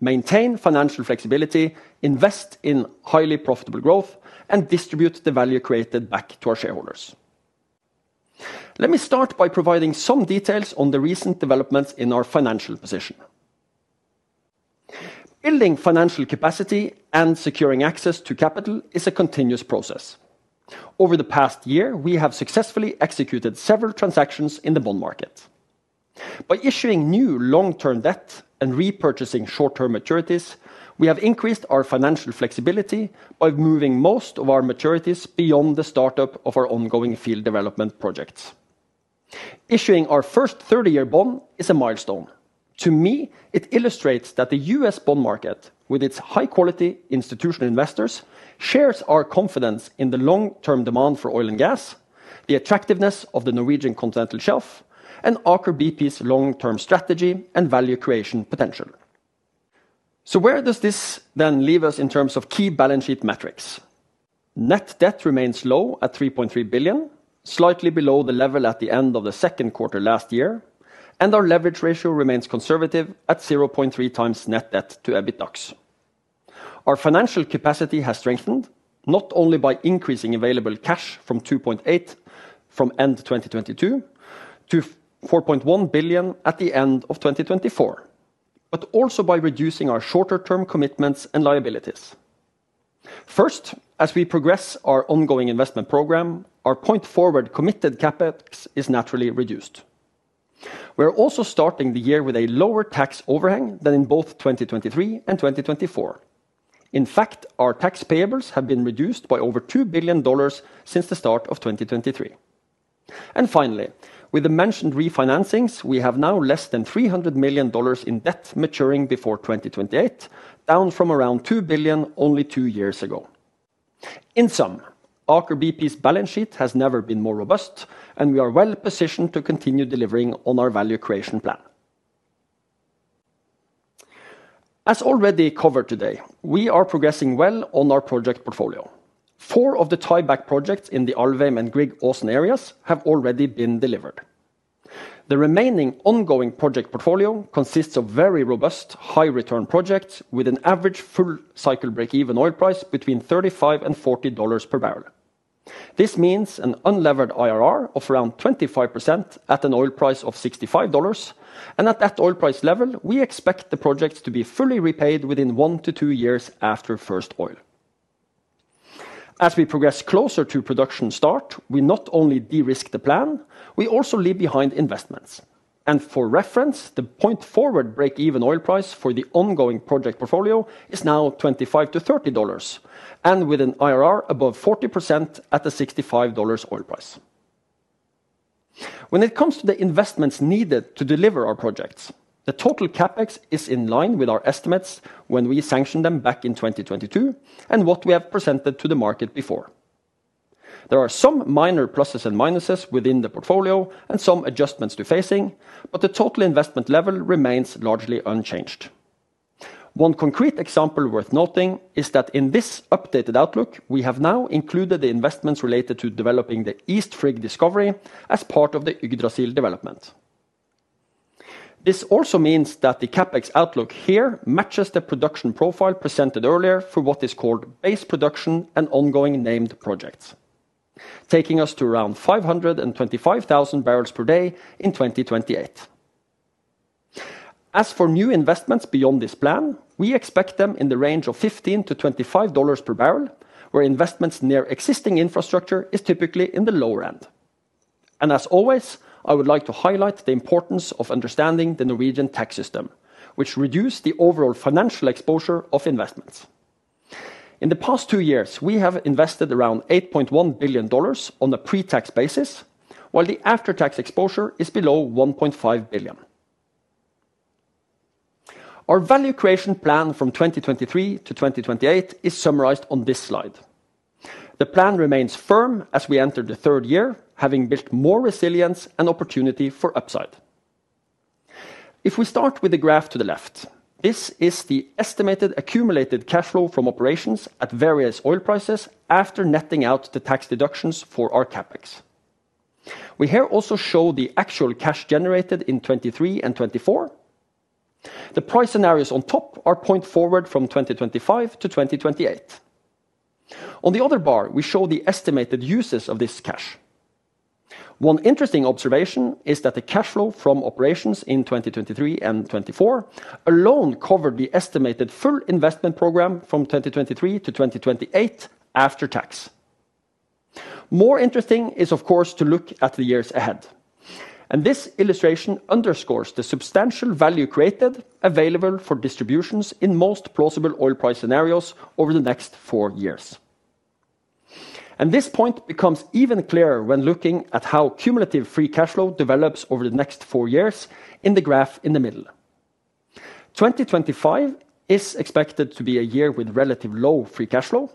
maintain financial flexibility, invest in highly profitable growth, and distribute the value created back to our shareholders. Let me start by providing some details on the recent developments in our financial position. Building financial capacity and securing access to capital is a continuous process. Over the past year, we have successfully executed several transactions in the bond market. By issuing new long-term debt and repurchasing short-term maturities, we have increased our financial flexibility by moving most of our maturities beyond the startup of our ongoing field development projects. Issuing our first 30-year bond is a milestone. To me, it illustrates that the US bond market, with its high-quality institutional investors, shares our confidence in the long-term demand for oil and gas, the attractiveness of the Norwegian Continental Shelf, and Aker BP's long-term strategy and value creation potential. So where does this then leave us in terms of key balance sheet metrics? Net debt remains low at $3.3 billion, slightly below the level at the end of the second quarter last year, and our leverage ratio remains conservative at 0.3 times net debt to EBITDAX. Our financial capacity has strengthened, not only by increasing available cash from 2.8 from end 2022 to $4.1 billion at the end of 2024, but also by reducing our shorter-term commitments and liabilities. First, as we progress our ongoing investment program, our point-forward committed CAPEX is naturally reduced. We're also starting the year with a lower tax overhang than in both 2023 and 2024. In fact, our tax payables have been reduced by over $2 billion since the start of 2023. And finally, with the mentioned refinancings, we have now less than $300 million in debt maturing before 2028, down from around $2 billion only two years ago. In sum, Aker BP's balance sheet has never been more robust, and we are well positioned to continue delivering on our value creation plan. As already covered today, we are progressing well on our project portfolio. Four of the tieback projects in the Alvheim and Grieg Aasen areas have already been delivered. The remaining ongoing project portfolio consists of very robust, high-return projects with an average full cycle break-even oil price between $35-$40 per barrel. This means an unlevered IRR of around 25% at an oil price of $65, and at that oil price level, we expect the projects to be fully repaid within one to two years after first oil. As we progress closer to production start, we not only de-risk the plan, we also leave behind investments. And for reference, the point-forward break-even oil price for the ongoing project portfolio is now $25-$30, and with an IRR above 40% at a $65 oil price. When it comes to the investments needed to deliver our projects, the total CAPEX is in line with our estimates when we sanctioned them back in 2022 and what we have presented to the market before. There are some minor pluses and minuses within the portfolio and some adjustments to phasing, but the total investment level remains largely unchanged. One concrete example worth noting is that in this updated outlook, we have now included the investments related to developing the East Frigg discovery as part of the Yggdrasil development. This also means that the CAPEX outlook here matches the production profile presented earlier for what is called base production and ongoing named projects, taking us to around 525,000 barrels per day in 2028. As for new investments beyond this plan, we expect them in the range of $15-$25 per barrel, where investments near existing infrastructure is typically in the lower end. And as always, I would like to highlight the importance of understanding the Norwegian tax system, which reduces the overall financial exposure of investments. In the past two years, we have invested around $8.1 billion on a pre-tax basis, while the after-tax exposure is below $1.5 billion. Our value creation plan from 2023 to 2028 is summarized on this slide. The plan remains firm as we enter the third year, having built more resilience and opportunity for upside. If we start with the graph to the left, this is the estimated accumulated cash flow from operations at various oil prices after netting out the tax deductions for our CAPEX. We here also show the actual cash generated in 2023 and 2024. The price scenarios on top are point forward from 2025 to 2028. On the other bar, we show the estimated uses of this cash. One interesting observation is that the cash flow from operations in 2023 and 2024 alone covered the estimated full investment program from 2023 to 2028 after tax. More interesting is, of course, to look at the years ahead. This illustration underscores the substantial value created available for distributions in most plausible oil price scenarios over the next four years. This point becomes even clearer when looking at how cumulative free cash flow develops over the next four years in the graph in the middle. 2025 is expected to be a year with relatively low free cash flow.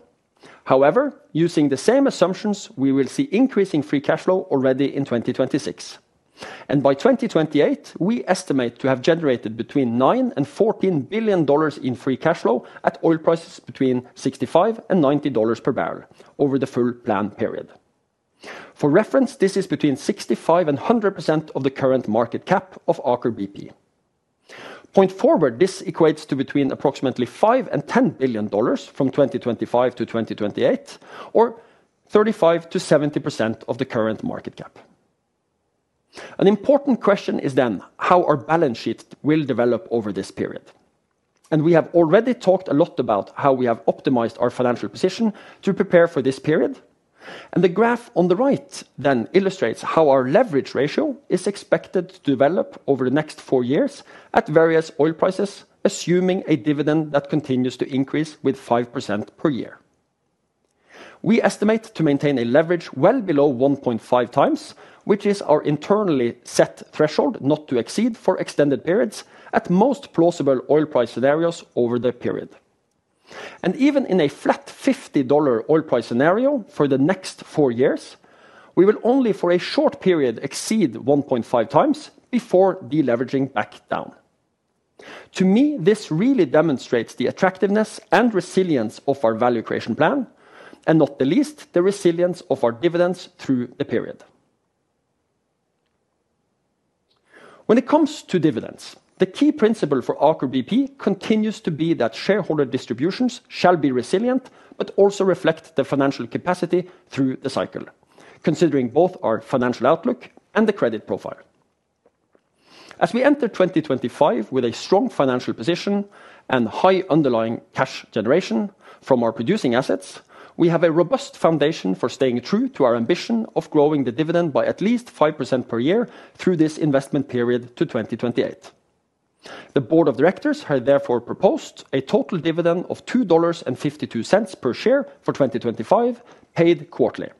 However, using the same assumptions, we will see increasing free cash flow already in 2026. By 2028, we estimate to have generated between $9-$14 billion in free cash flow at oil prices between $65-$90 per barrel over the full plan period. For reference, this is between 65%-100% of the current market cap of Aker BP. Going forward, this equates to between approximately $5-$10 billion from 2025 to 2028, or 35%-70% of the current market cap. An important question is then how our balance sheet will develop over this period. And we have already talked a lot about how we have optimized our financial position to prepare for this period. And the graph on the right then illustrates how our leverage ratio is expected to develop over the next four years at various oil prices, assuming a dividend that continues to increase with 5% per year. We estimate to maintain a leverage well below 1.5 times, which is our internally set threshold not to exceed for extended periods at most plausible oil price scenarios over the period. And even in a flat $50 oil price scenario for the next four years, we will only for a short period exceed 1.5 times before deleveraging back down. To me, this really demonstrates the attractiveness and resilience of our value creation plan, and not the least, the resilience of our dividends through the period. When it comes to dividends, the key principle for Aker BP continues to be that shareholder distributions shall be resilient, but also reflect the financial capacity through the cycle, considering both our financial outlook and the credit profile. As we enter 2025 with a strong financial position and high underlying cash generation from our producing assets, we have a robust foundation for staying true to our ambition of growing the dividend by at least 5% per year through this investment period to 2028. The board of directors has therefore proposed a total dividend of $2.52 per share for 2025, paid quarterly.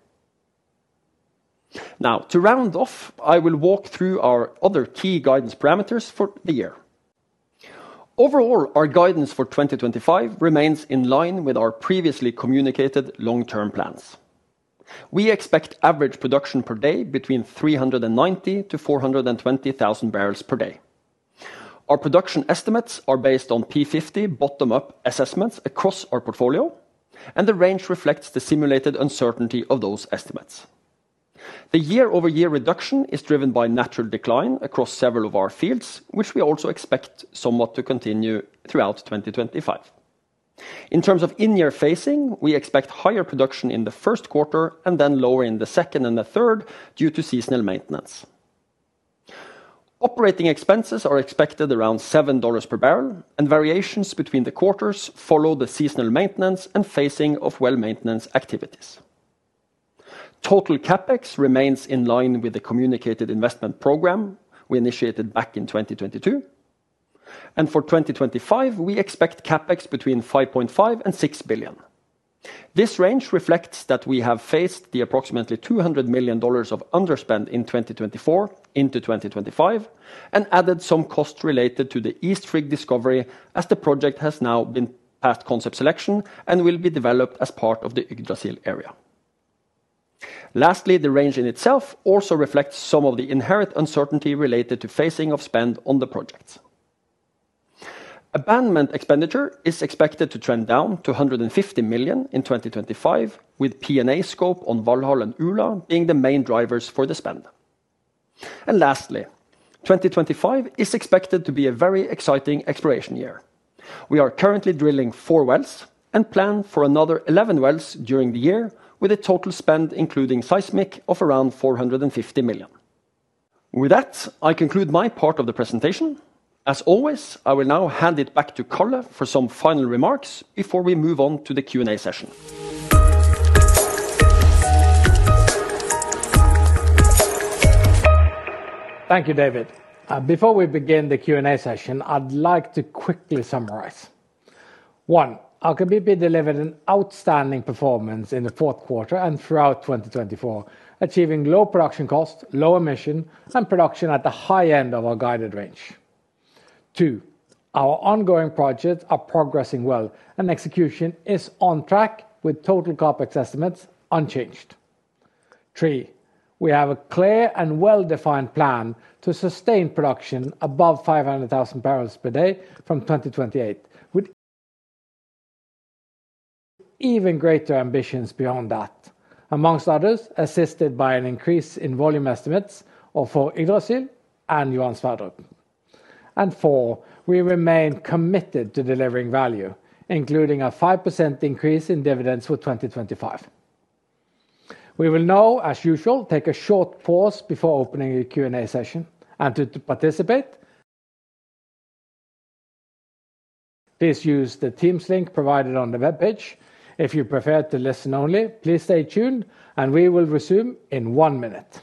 Now, to round off, I will walk through our other key guidance parameters for the year. Overall, our guidance for 2025 remains in line with our previously communicated long-term plans. We expect average production per day between 390,000-420,000 barrels per day. Our production estimates are based on P50 bottom-up assessments across our portfolio, and the range reflects the simulated uncertainty of those estimates. The year-over-year reduction is driven by natural decline across several of our fields, which we also expect somewhat to continue throughout 2025. In terms of in-year phasing, we expect higher production in the first quarter and then lower in the second and the third due to seasonal maintenance. Operating expenses are expected around $7 per barrel, and variations between the quarters follow the seasonal maintenance and phasing of well-maintenance activities. Total CapEx remains in line with the communicated investment program we initiated back in 2022, and for 2025, we expect CapEx between $5.5 and $6 billion. This range reflects that we have pushed the approximately $200 million of underspend in 2024 into 2025 and added sunk cost related to the East Frigg discovery as the project has now passed concept selection and will be developed as part of the Yggdrasil area. Lastly, the range in itself also reflects some of the inherent uncertainty related to phasing of spend on the projects. Abandonment expenditure is expected to trend down to $150 million in 2025, with P&A scope on Valhall and Ula being the main drivers for the spend. Lastly, 2025 is expected to be a very exciting exploration year. We are currently drilling four wells and plan for another 11 wells during the year, with a total spend including seismic of around $450 million. With that, I conclude my part of the presentation. As always, I will now hand it back to Karl for some final remarks before we move on to the Q&A session. Thank you, David. Before we begin the Q&A session, I'd like to quickly summarize. One, Aker BP delivered an outstanding performance in the fourth quarter and throughout 2024, achieving low production costs, low emission, and production at the high end of our guided range. Two, our ongoing projects are progressing well, and execution is on track with total CAPEX estimates unchanged. Three, we have a clear and well-defined plan to sustain production above 500,000 barrels per day from 2028, with even greater ambitions beyond that, amongst others assisted by an increase in volume estimates for Yggdrasil and Johan Sverdrup. Four, we remain committed to delivering value, including a 5% increase in dividends for 2025. We will now, as usual, take a short pause before opening the Q&A session, and to participate, please use the Teams link provided on the web page. If you prefer to listen only, please stay tuned, and we will resume in one minute.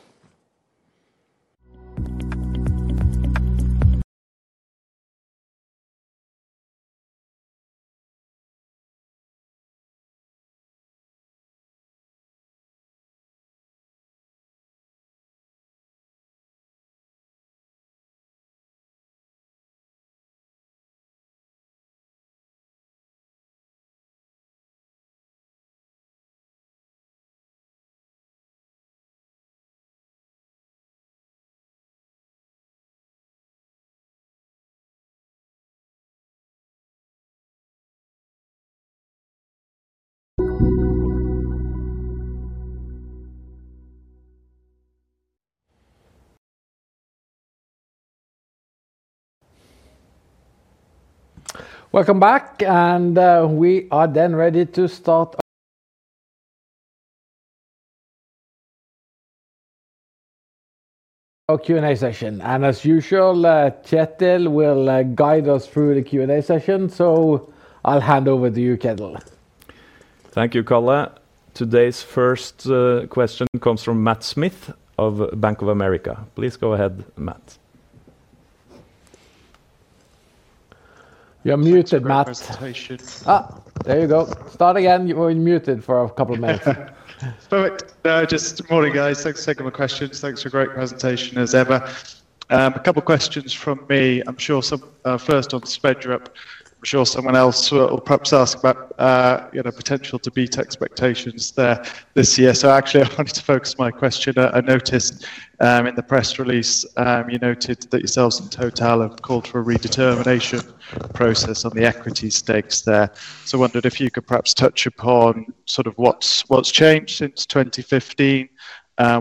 Welcome back, and we are then ready to start our Q&A session, and as usual, Kjetil will guide us through the Q&A session. I'll hand over to you, Kjetil. Thank you, Karl. Today's first question comes from Matthew Smith of Bank of America. Please go ahead, Matt. You're muted, Matt. There you go. Start again. You were muted for a couple of minutes. Perfect. Good morning, guys. Thanks for taking my questions. Thanks for a great presentation, as ever. A couple of questions from me. I'm sure some first on Sverdrup. I'm sure someone else will perhaps ask about, you know, potential to beat expectations there this year. So actually, I wanted to focus my question. I noticed in the press release, you noted that yourselves and Total have called for a redetermination process on the equity stakes there. So I wondered if you could perhaps touch upon sort of what's changed since 2015,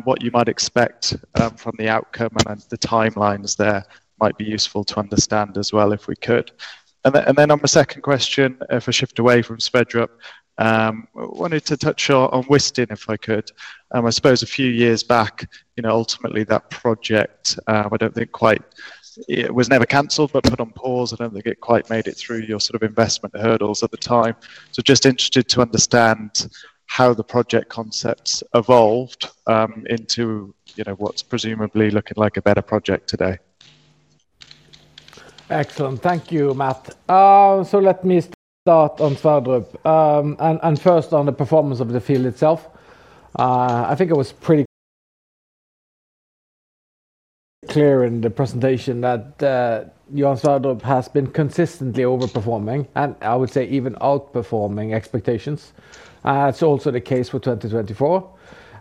what you might expect from the outcome, and the timelines there might be useful to understand as well if we could. And then on my second question, if I shift away from Johan Sverdrup, I wanted to touch on Wisting, if I could. I suppose a few years back, you know, ultimately that project, I don't think quite it was never canceled, but put on pause. I don't think it quite made it through your sort of investment hurdles at the time. So just interested to understand how the project concepts evolved into, you know, what's presumably looking like a better project today. Excellent. Thank you, Matt. So let me start on Johan Sverdrup. And first on the performance of the field itself. I think it was pretty clear in the presentation that Johan Sverdrup has been consistently overperforming, and I would say even outperforming expectations. That's also the case for 2024.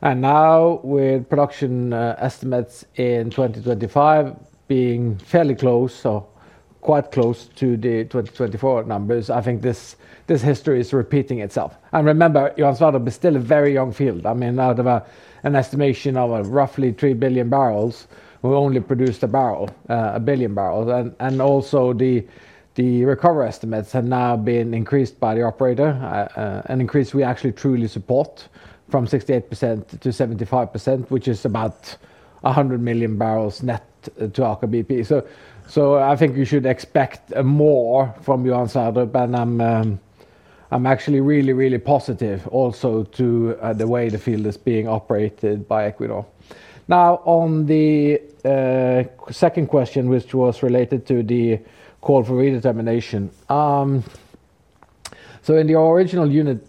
And now with production estimates in 2025 being fairly close, or quite close to the 2024 numbers, I think this history is repeating itself. And remember, Johan Sverdrup is still a very young field. I mean, out of an estimation of roughly 3 billion barrels, we only produced a barrel, a billion barrels. And also the recovery estimates have now been increased by the operator, an increase we actually truly support from 68%-75%, which is about 100 million barrels net to Aker BP. So I think you should expect more from Johan Sverdrup. And I'm actually really, really positive also to the way the field is being operated by Equinor. Now, on the second question, which was related to the call for redetermination. So in the original unit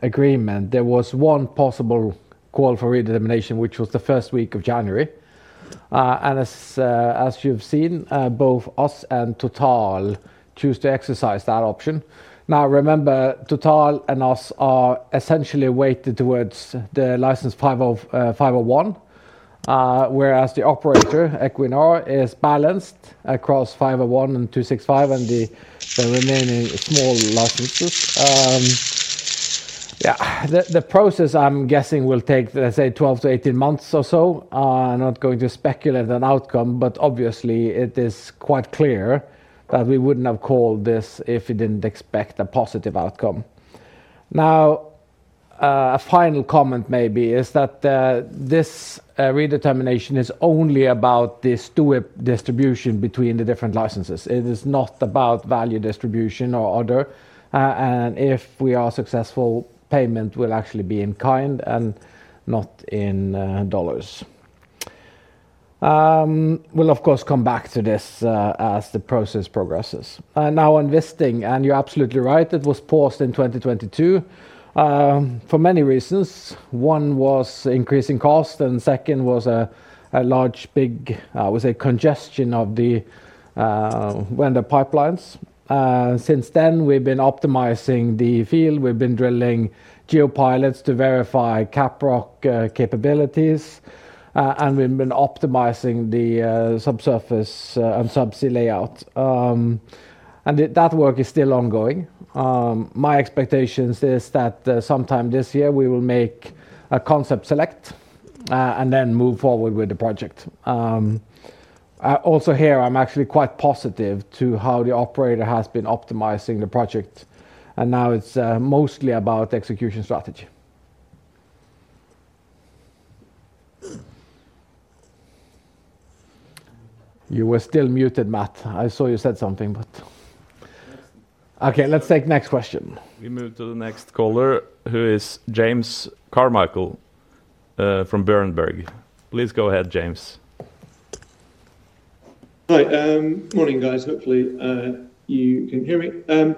agreement, there was one possible call for redetermination, which was the first week of January. And as you've seen, both us and Total chose to exercise that option. Now, remember, Total and us are essentially weighted towards the license 501, whereas the operator, Equinor, is balanced across 501 and 265 and the remaining small licenses. Yeah, the process, I'm guessing, will take, let's say, 12-18 months or so. I'm not going to speculate on the outcome, but obviously, it is quite clear that we wouldn't have called this if we didn't expect a positive outcome. Now, a final comment maybe is that this redetermination is only about the STOIIP distribution between the different licenses. It is not about value distribution or other, and if we are successful, payment will actually be in kind and not in dollars. We'll, of course, come back to this as the process progresses. Now, on Wisting, and you're absolutely right, it was paused in 2022 for many reasons. One was increasing cost, and second was a large, big, I would say, congestion of the vendor pipelines. Since then, we've been optimizing the field. We've been drilling geo-pilots to verify caprock capabilities, and we've been optimizing the subsurface and subsea layout. That work is still ongoing. My expectation is that sometime this year, we will make a concept select and then move forward with the project. Also, here, I'm actually quite positive to how the operator has been optimizing the project, and now it's mostly about execution strategy. You were still muted, Matt. I saw you said something, but okay. let's take the next question. We move to the next caller, who is James Carmichael from Berenberg. Please go ahead, James. Hi, morning, guys. Hopefully, you can hear me.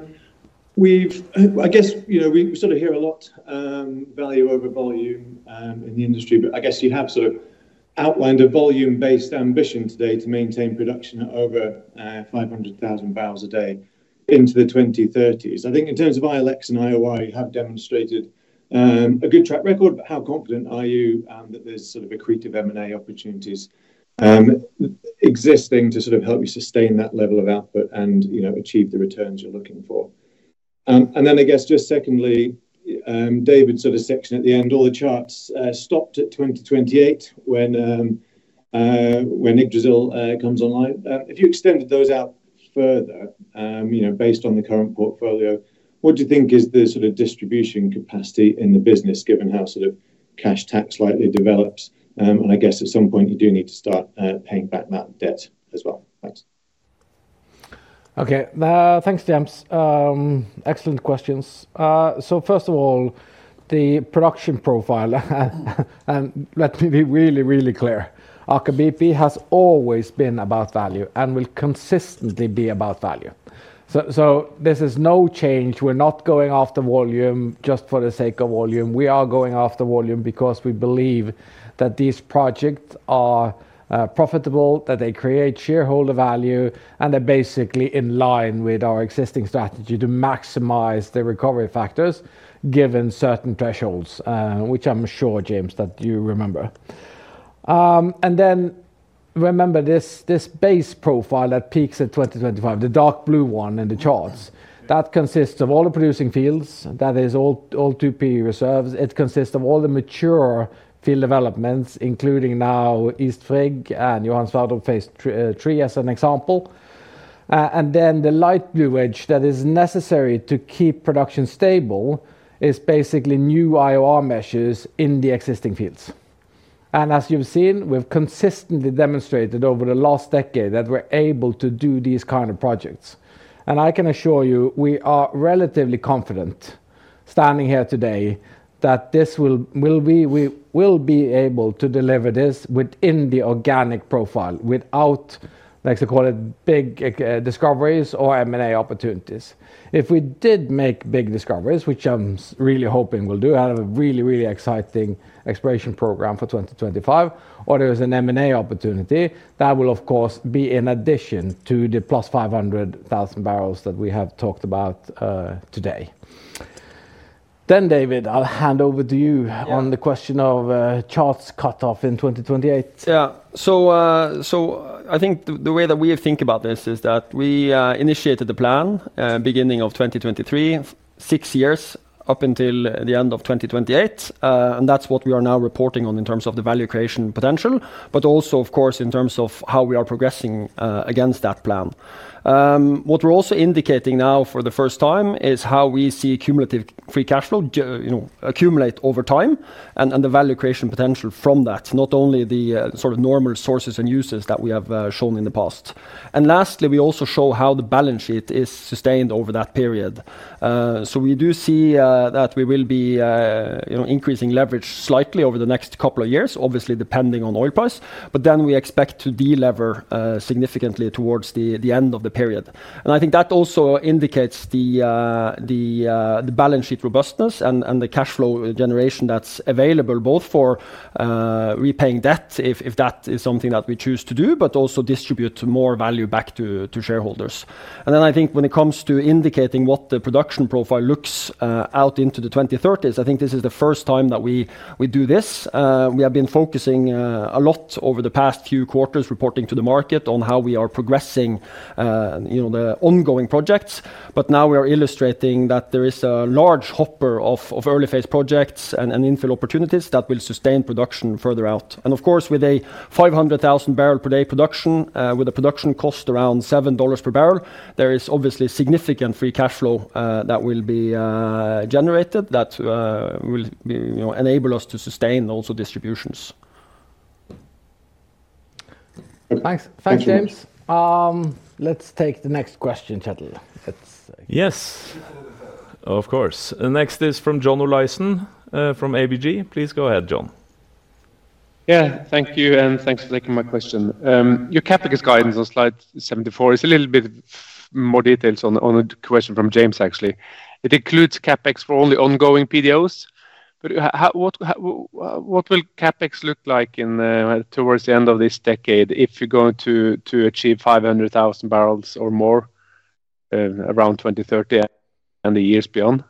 We've, I guess, you know, we sort of hear a lot of value over volume in the industry, but I guess you have sort of outlined a volume-based ambition today to maintain production over 500,000 barrels a day into the 2030s. I think in terms of ILX and IOR, you have demonstrated a good track record, but how confident are you that there's sort of accretive M&A opportunities existing to sort of help you sustain that level of output and, you know, achieve the returns you're looking for? And then, I guess, just secondly, David's sort of section at the end, all the charts stopped at 2028 when Yggdrasil comes online. If you extended those out further, you know, based on the current portfolio, what do you think is the sort of dividend capacity in the business, given how sort of cash tax situation develops? And I guess at some point, you do need to start paying back that debt as well. Thanks. Okay, thanks, James. Excellent questions. So first of all, the production profile, and let me be really, really clear. Aker BP has always been about value and will consistently be about value. So this is no change. We're not going after volume just for the sake of volume. We are going after volume because we believe that these projects are profitable, that they create shareholder value, and they're basically in line with our existing strategy to maximize the recovery factors given certain thresholds, which I'm sure, James, that you remember. And then remember this base profile that peaks at 2025, the dark blue one in the charts. That consists of all the producing fields. That is all 2P reserves. It consists of all the mature field developments, including now East Frigg and Johan Sverdrup Phase 3 as an example. Then the light blue wedge that is necessary to keep production stable is basically new IOR measures in the existing fields. As you've seen, we've consistently demonstrated over the last decade that we're able to do these kinds of projects. I can assure you, we are relatively confident standing here today that we will be able to deliver this within the organic profile without, let's call it, big discoveries or M&A opportunities. If we did make big discoveries, which I'm really hoping we'll do, I have a really, really exciting exploration program for 2025, or there is an M&A opportunity that will, of course, be in addition to the +500,000 barrels that we have talked about today. Then, David, I'll hand over to you on the question of capex cut-off in 2028. Yeah, so I think the way that we think about this is that we initiated the plan beginning of 2023, six years up until the end of 2028. That's what we are now reporting on in terms of the value creation potential, but also, of course, in terms of how we are progressing against that plan. What we're also indicating now for the first time is how we see cumulative free cash flow, you know, accumulate over time and the value creation potential from that, not only the sort of normal sources and uses that we have shown in the past. Lastly, we also show how the balance sheet is sustained over that period. So we do see that we will be increasing leverage slightly over the next couple of years, obviously depending on oil price, but then we expect to delever significantly towards the end of the period. And I think that also indicates the balance sheet robustness and the cash flow generation that's available both for repaying debt, if that is something that we choose to do, but also distribute more value back to shareholders. And then I think when it comes to indicating what the production profile looks out into the 2030s, I think this is the first time that we do this. We have been focusing a lot over the past few quarters reporting to the market on how we are progressing, you know, the ongoing projects. But now we are illustrating that there is a large hopper of early phase projects and infill opportunities that will sustain production further out. And of course, with a 500,000 barrel per day production, with a production cost around $7 per barrel, there is obviously significant free cash flow that will be generated that will enable us to sustain also distributions. Thanks, James. Let's take the next question, Kjetil. Yes. Of course. The next is from John Olaisen from ABG. Please go ahead, John. Yeah, thank you. And thanks for taking my question. Your CapEx guidance on slide 74 is a little bit more details on a question from James, actually. It includes CapEx for only ongoing PDOs. But what will CapEx look like towards the end of this decade if you're going to achieve 500,000 barrels or more around 2030 and the years beyond?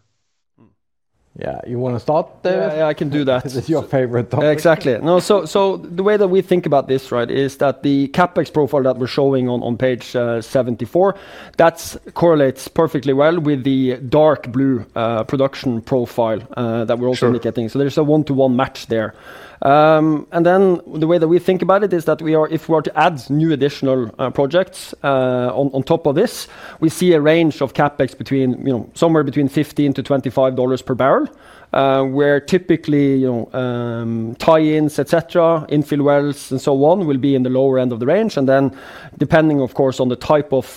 Yeah, you want to start? I can do that. It's your favorite topic. Exactly. No, so the way that we think about this, right, is that the CapEx profile that we're showing on page 74, that correlates perfectly well with the dark blue production profile that we're also indicating. So there's a one-to-one match there. And then the way that we think about it is that if we are to add new additional projects on top of this, we see a range of CapEx between, you know, somewhere between $15-$25 per barrel, where typically, you know, tie-ins, etc., infill wells and so on will be in the lower end of the range. And then depending, of course, on the type of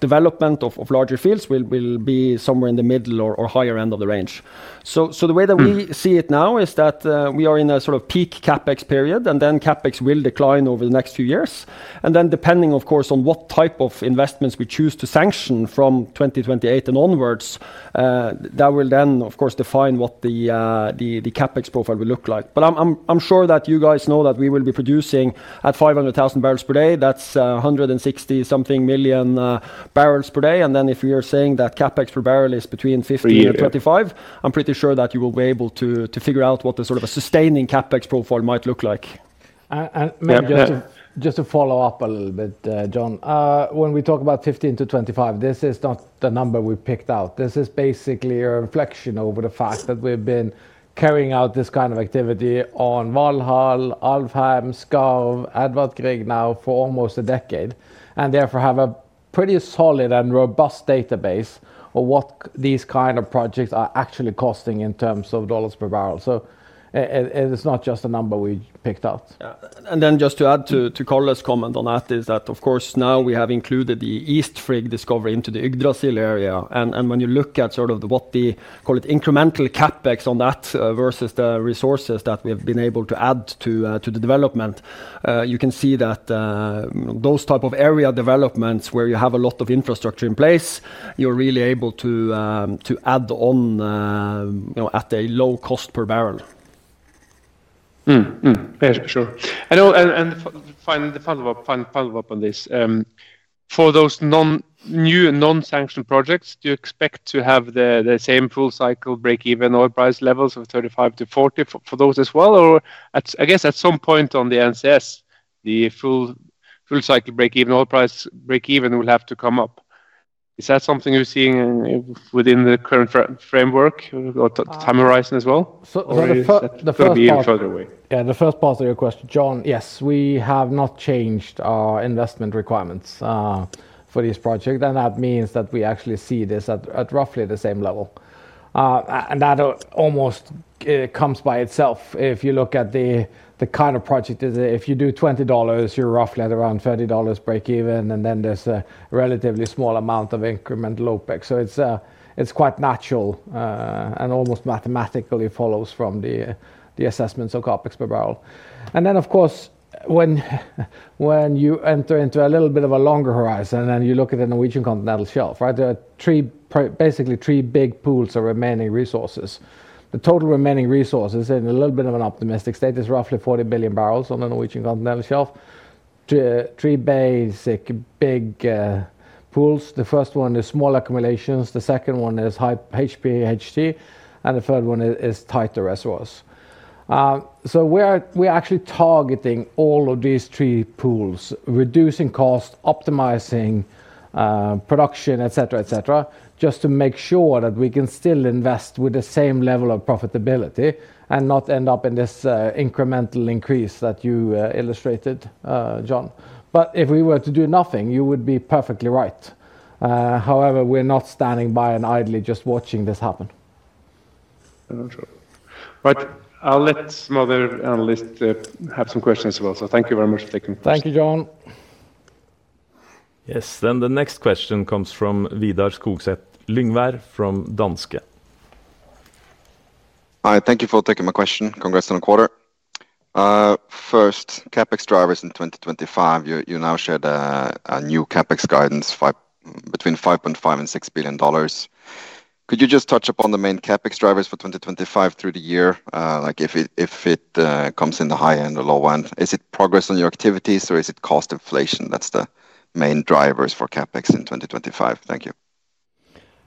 development of larger fields, we'll be somewhere in the middle or higher end of the range. So the way that we see it now is that we are in a sort of peak CapEx period, and then CapEx will decline over the next few years. And then depending, of course, on what type of investments we choose to sanction from 2028 and onwards, that will then, of course, define what the CapEx profile will look like. But I'm sure that you guys know that we will be producing at 500,000 barrels per day. That's 160-something million barrels per day. And then if you're saying that CapEx per barrel is between $15 and $25, I'm pretty sure that you will be able to figure out what the sort of a sustaining CapEx profile might look like. And maybe just to follow up a little bit, John, when we talk about $15 to $25, this is not the number we picked out. This is basically a reflection over the fact that we've been carrying out this kind of activity on Valhall, Alvheim, Skarv, Edvard Grieg now for almost a decade, and therefore have a pretty solid and robust database of what these kinds of projects are actually costing in terms of dollars per barrel. So it's not just a number we picked out. Then just to add to Karl's comment on that is that, of course, now we have included the East Frigg discovery into the Yggdrasil area. And when you look at sort of what the, call it, incremental CapEx on that versus the resources that we've been able to add to the development, you can see that those types of area developments where you have a lot of infrastructure in place, you're really able to add on at a low cost per barrel. Yeah, for sure. Finally, the follow-up on this. For those new non-sanctioned projects, do you expect to have the same full cycle break-even oil price levels of $35-$40 for those as well? Or I guess at some point on the NCS, the full cycle break-even oil price will have to come up. Is that something you're seeing within the current framework or time horizon as well? The first part of your question, John, yes, we have not changed our investment requirements for this project. And that means that we actually see this at roughly the same level. And that almost comes by itself. If you look at the kind of project, if you do $20, you're roughly at around $30 break-even. And then there's a relatively small amount of incremental OpEx. So it's quite natural and almost mathematically follows from the assessments of CapEx per barrel. And then, of course, when you enter into a little bit of a longer horizon and you look at the Norwegian Continental Shelf, right, there are basically three big pools of remaining resources. The total remaining resources in a little bit of an optimistic state is roughly 40 billion barrels on the Norwegian Continental Shelf. Three basic big pools. The first one is small accumulations. The second one is HPHT. And the third one is tighter reserves. So we're actually targeting all of these three pools, reducing cost, optimizing production, etc., etc., just to make sure that we can still invest with the same level of profitability and not end up in this incremental increase that you illustrated, John. But if we were to do nothing, you would be perfectly right. However, we're not standing by and idly just watching this happen. Right. I'll let some other analysts have some questions as well. So thank you very much for taking the question. Thank you, John. Yes. Then the next question comes from Vidar Skogseth Lyngvær from Danske. Hi. Thank you for taking my question. Congrats on the quarter. First, CapEx drivers in 2025. You now shared a new CapEx guidance between $5.5 and $6 billion. Could you just touch upon the main CapEx drivers for 2025 through the year, like if it comes in the high end or low end? Is it progress on your activities or is it cost inflation? That's the main drivers for CapEx in 2025. Thank you.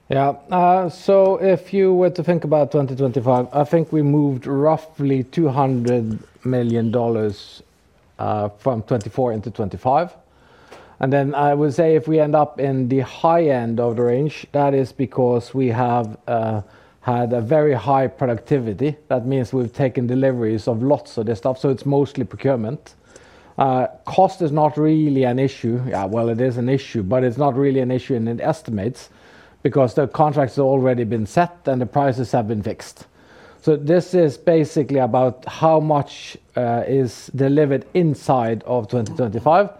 Yeah. So if you were to think about 2025, I think we moved roughly $200 million from 2024 into 2025. And then I would say if we end up in the high end of the range, that is because we have had a very high productivity. That means we've taken deliveries of lots of this stuff. So it's mostly procurement. Cost is not really an issue. Yeah, well, it is an issue, but it's not really an issue in the estimates because the contracts have already been set and the prices have been fixed. So this is basically about how much is delivered inside of 2025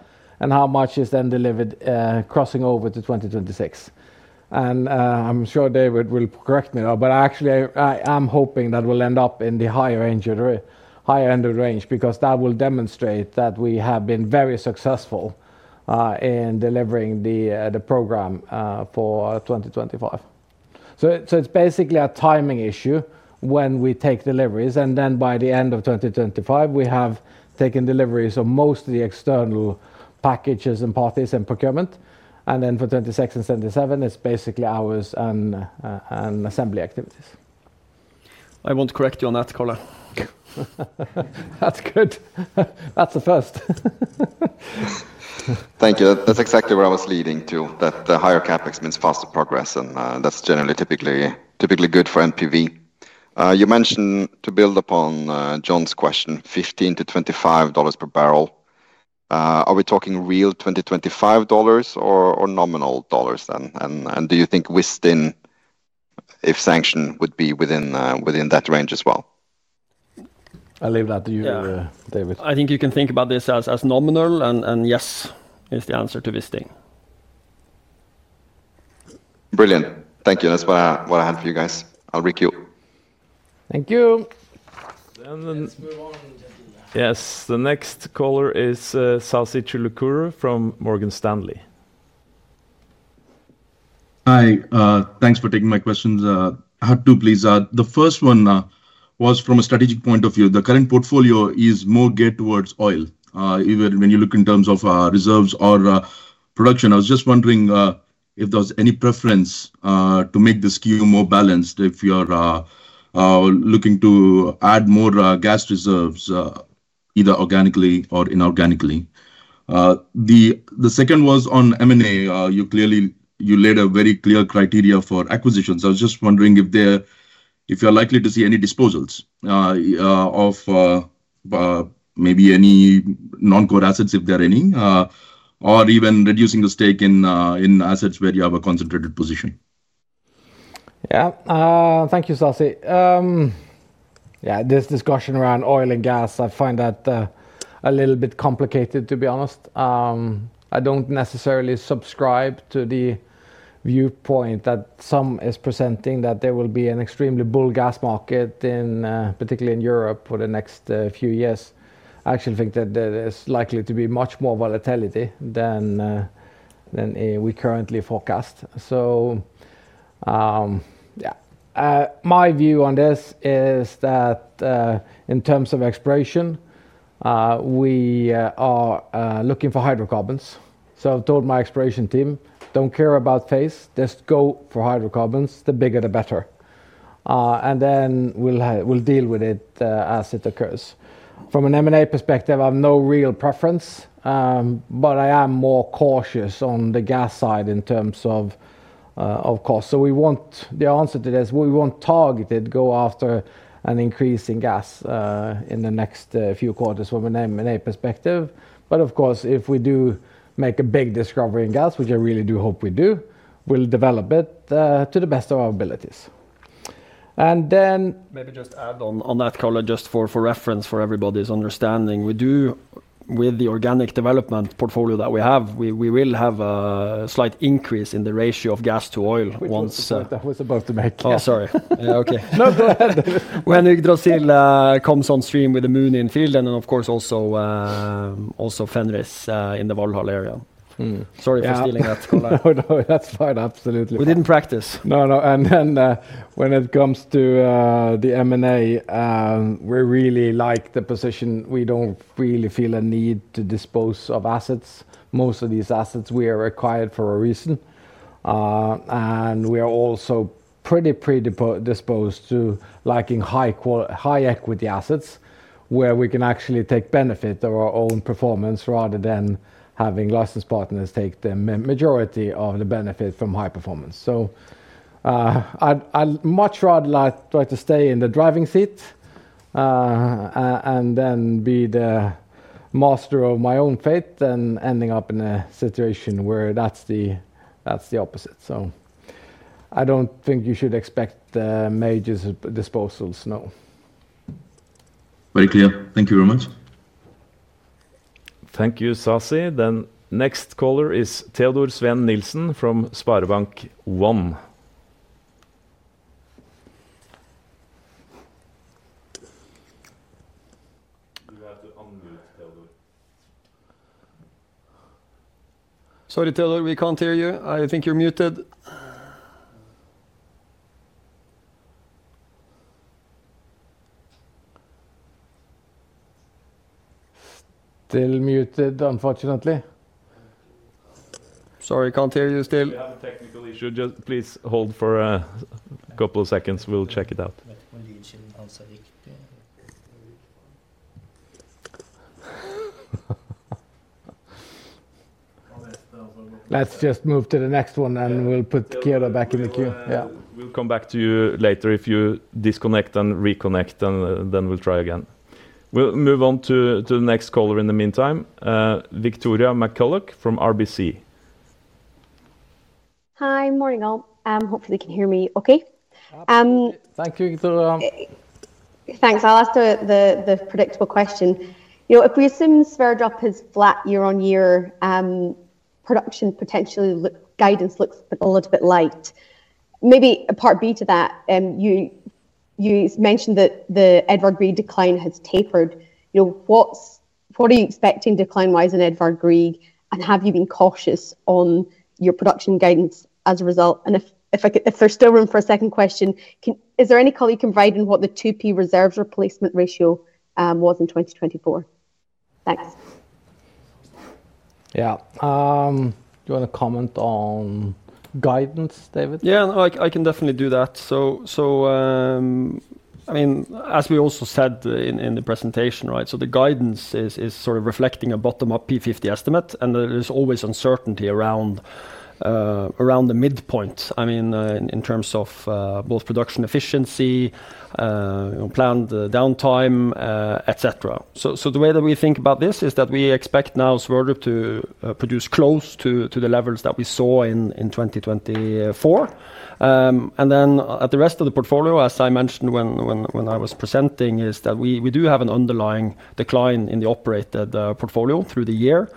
and how much is then delivered crossing over to 2026. And I'm sure David will correct me there, but actually I am hoping that we'll end up in the higher end of the range because that will demonstrate that we have been very successful in delivering the program for 2025. So it's basically a timing issue when we take deliveries. And then by the end of 2025, we have taken deliveries of most of the external packages and parties and procurement. And then for 2026 and 2027, it's basically hours and assembly activities. I won't correct you on that, Karl. That's good. That's the first. Thank you. That's exactly where I was leading to, that the higher CapEx means faster progress. And that's generally typically good for NPV. You mentioned to build upon John's question, $15-$25 per barrel. Are we talking real $20-$25 or nominal dollars then? And do you think within, if sanction would be within that range as well? I'll leave that to you, David. I think you can think about this as nominal. And yes, it's the answer to this thing. Brilliant. Thank you. That's what I had for you guys. I'll recap. Thank you. Yes. The next caller is Sasi Chilukuru from Morgan Stanley. Hi. Thanks for taking my questions. I had two, please. The first one was from a strategic point of view. The current portfolio is more geared towards oil, even when you look in terms of reserves or production. I was just wondering if there was any preference to make the skew more balanced if you're looking to add more gas reserves, either organically or inorganically. The second was on M&A. You clearly, you laid a very clear criteria for acquisitions. I was just wondering if you're likely to see any disposals of maybe any non-core assets, if there are any, or even reducing the stake in assets where you have a concentrated position. Yeah. Thank you, Sasi. Yeah, this discussion around oil and gas, I find that a little bit complicated, to be honest. I don't necessarily subscribe to the viewpoint that some are presenting that there will be an extremely bullish gas market, particularly in Europe for the next few years. I actually think that there's likely to be much more volatility than we currently forecast. So yeah, my view on this is that in terms of exploration, we are looking for hydrocarbons, so I've told my exploration team, don't care about gas, just go for hydrocarbons. The bigger, the better, and then we'll deal with it as it occurs. From an M&A perspective, I have no real preference, but I am more cautious on the gas side in terms of cost, so we want the answer to this. We won't target it, go after an increase in gas in the next few quarters from an M&A perspective. But of course, if we do make a big discovery in gas, which I really do hope we do, we'll develop it to the best of our abilities. And then maybe just add on that, Karl, just for reference for everybody's understanding. We do, with the organic development portfolio that we have, we will have a slight increase in the ratio of gas to oil once that was about to make. Oh, sorry. Okay. No, go ahead. When Yggdrasil comes on stream with the Munin field and of course also Fenris in the Valhall area. Sorry for stealing that, Karl. No, no, that's fine. Absolutely. We didn't practice. No, no. And then when it comes to the M&A, we really like the position. We don't really feel a need to dispose of assets. Most of these assets, we are acquired for a reason. We are also pretty predisposed to liking high equity assets where we can actually take benefit of our own performance rather than having licensed partners take the majority of the benefit from high performance. So I'd much rather try to stay in the driving seat and then be the master of my own fate than ending up in a situation where that's the opposite. So I don't think you should expect major disposals, no. Very clear. Thank you very much. Thank you, Sasi. Then the next caller is Teodor Sveen-Nilsen from SpareBank 1. You have to unmute, Teodor. Sorry, Teodor, we can't hear you. I think you're muted. Still muted, unfortunately. Sorry, can't hear you still. We have a technical issue. Just please hold for a couple of seconds. We'll check it out. Let's just move to the next one and we'll put Kira back in the queue. Yeah. We'll come back to you later if you disconnect and reconnect, and then we'll try again. We'll move on to the next caller in the meantime, Victoria McCulloch from RBC. Hi, morning all. Hopefully you can hear me okay. Thank you, Victoria. Thanks. I'll ask the predictable question. If we assume Sverdrup is flat year on year, production potentially guidance looks a little bit light. Maybe a part B to that, you mentioned that the Edvard Grieg decline has tapered. What are you expecting decline-wise in Edvard Grieg? And have you been cautious on your production guidance as a result? And if there's still room for a second question, is there any color you can provide in what the 2P reserves replacement ratio was in 2024? Thanks. Yeah. Do you want to comment on guidance, David? Yeah, I can definitely do that. So I mean, as we also said in the presentation, right, so the guidance is sort of reflecting a bottom-up P50 estimate. And there is always uncertainty around the midpoint, I mean, in terms of both production efficiency, planned downtime, etc. So the way that we think about this is that we expect now Sverdrup to produce close to the levels that we saw in 2024. And then at the rest of the portfolio, as I mentioned when I was presenting, is that we do have an underlying decline in the operated portfolio through the year.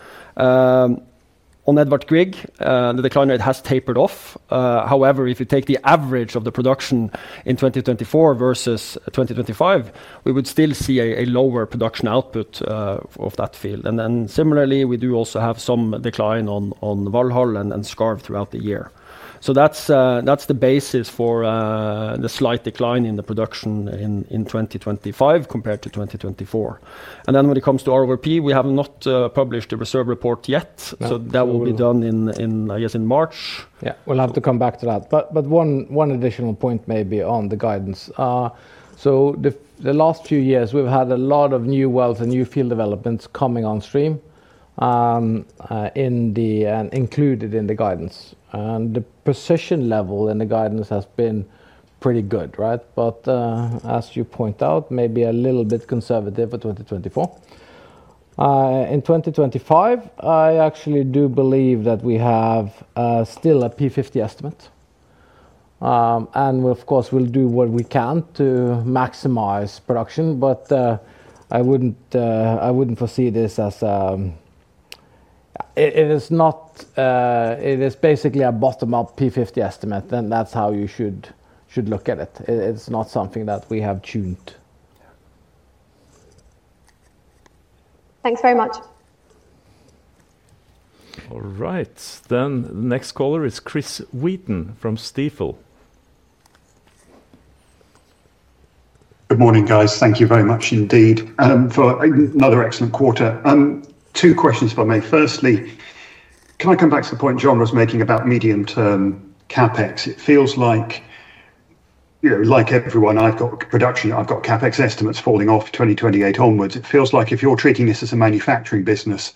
On Edvard Grieg, the decline rate has tapered off. However, if you take the average of the production in 2024 versus 2025, we would still see a lower production output of that field. And then similarly, we do also have some decline on Valhall and Skarv throughout the year. That's the basis for the slight decline in the production in 2025 compared to 2024. And then when it comes to RRR, we have not published the reserve report yet. So that will be done in, I guess, in March. Yeah, we'll have to come back to that. But one additional point maybe on the guidance. The last few years, we've had a lot of new wells and new field developments coming on stream and included in the guidance. And the production level in the guidance has been pretty good, right? But as you point out, maybe a little bit conservative for 2024. In 2025, I actually do believe that we have still a P50 estimate. And of course, we'll do what we can to maximize production. But I wouldn't foresee this as a, it is basically a bottom-up P50 estimate. And that's how you should look at it. It's not something that we have tuned. Thanks very much. All right. Then the next caller is Chris Wheaton from Stifel. Good morning, guys. Thank you very much indeed for another excellent quarter. Two questions, if I may. Firstly, can I come back to the point John was making about medium-term CapEx? It feels like, like everyone, I've got production, I've got CapEx estimates falling off 2028 onwards. It feels like if you're treating this as a manufacturing business,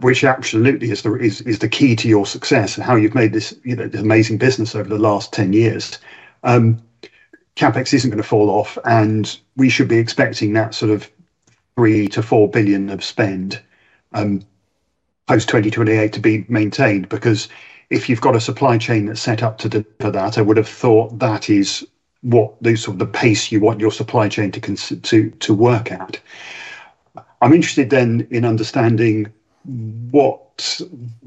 which absolutely is the key to your success and how you've made this amazing business over the last 10 years, CapEx isn't going to fall off. And we should be expecting that sort of $3-$4 billion of spend post-2028 to be maintained. Because if you've got a supply chain that's set up to deliver that, I would have thought that is what the pace you want your supply chain to work at. I'm interested then in understanding what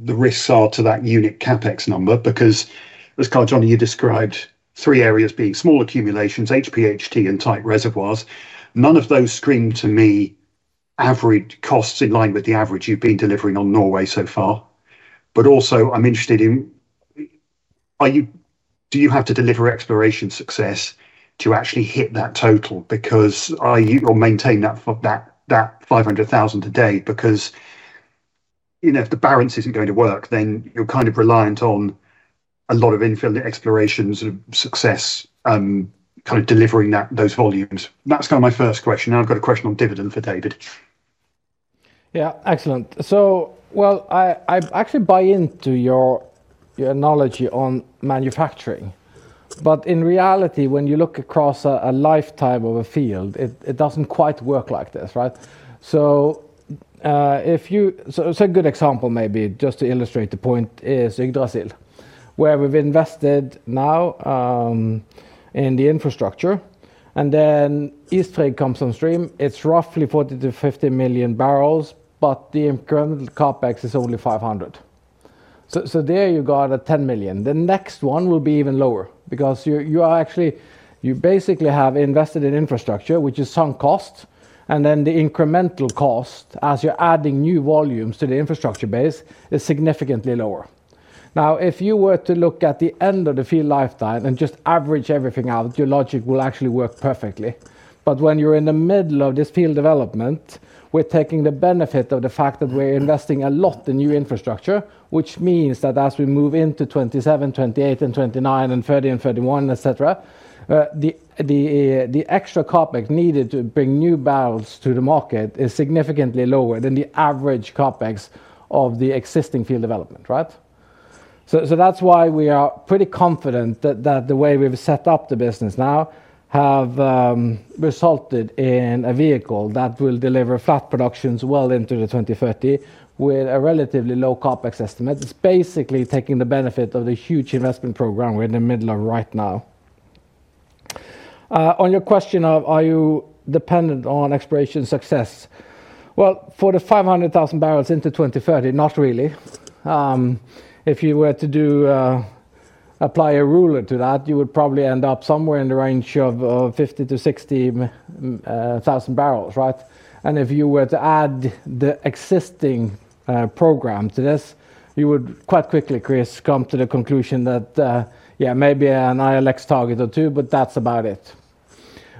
the risks are to that unit CapEx number. Because as Karl Johnny, you described three areas being small accumulations, HPHT, and tight reservoirs. None of those scream to me average costs in line with the average you've been delivering on Norway so far. But also, I'm interested in, do you have to deliver exploration success to actually hit that total? Because are you going to maintain that 500,000 a day? Because if the balance isn't going to work, then you're kind of reliant on a lot of infill explorations and success kind of delivering those volumes. That's kind of my first question. Now I've got a question on dividend for David. Yeah, excellent. Well, I actually buy into your knowledge on manufacturing. But in reality, when you look across a lifetime of a field, it doesn't quite work like this, right? It's a good example, maybe just to illustrate the point: Yggdrasil, where we've invested now in the infrastructure. And then East Frigg comes on stream. It's roughly 40-50 million barrels, but the incremental CapEx is only 500. So there you got a 10 million. The next one will be even lower because you basically have invested in infrastructure, which is sunk cost. And then the incremental cost as you're adding new volumes to the infrastructure base is significantly lower. Now, if you were to look at the end of the field lifetime and just average everything out, your logic will actually work perfectly. When you're in the middle of this field development, we're taking the benefit of the fact that we're investing a lot in new infrastructure, which means that as we move into 2027, 2028, and 2029, and 2030, and 2031, etc., the extra CapEx needed to bring new barrels to the market is significantly lower than the average CapEx of the existing field development, right? That's why we are pretty confident that the way we've set up the business now has resulted in a vehicle that will deliver flat productions well into 2030 with a relatively low CapEx estimate. It's basically taking the benefit of the huge investment program we're in the middle of right now. On your question of are you dependent on exploration success? For the 500,000 barrels into 2030, not really. If you were to apply a ruler to that, you would probably end up somewhere in the range of 50-60,000 barrels, right? And if you were to add the existing program to this, you would quite quickly, Chris, come to the conclusion that, yeah, maybe an ILX target or two, but that's about it.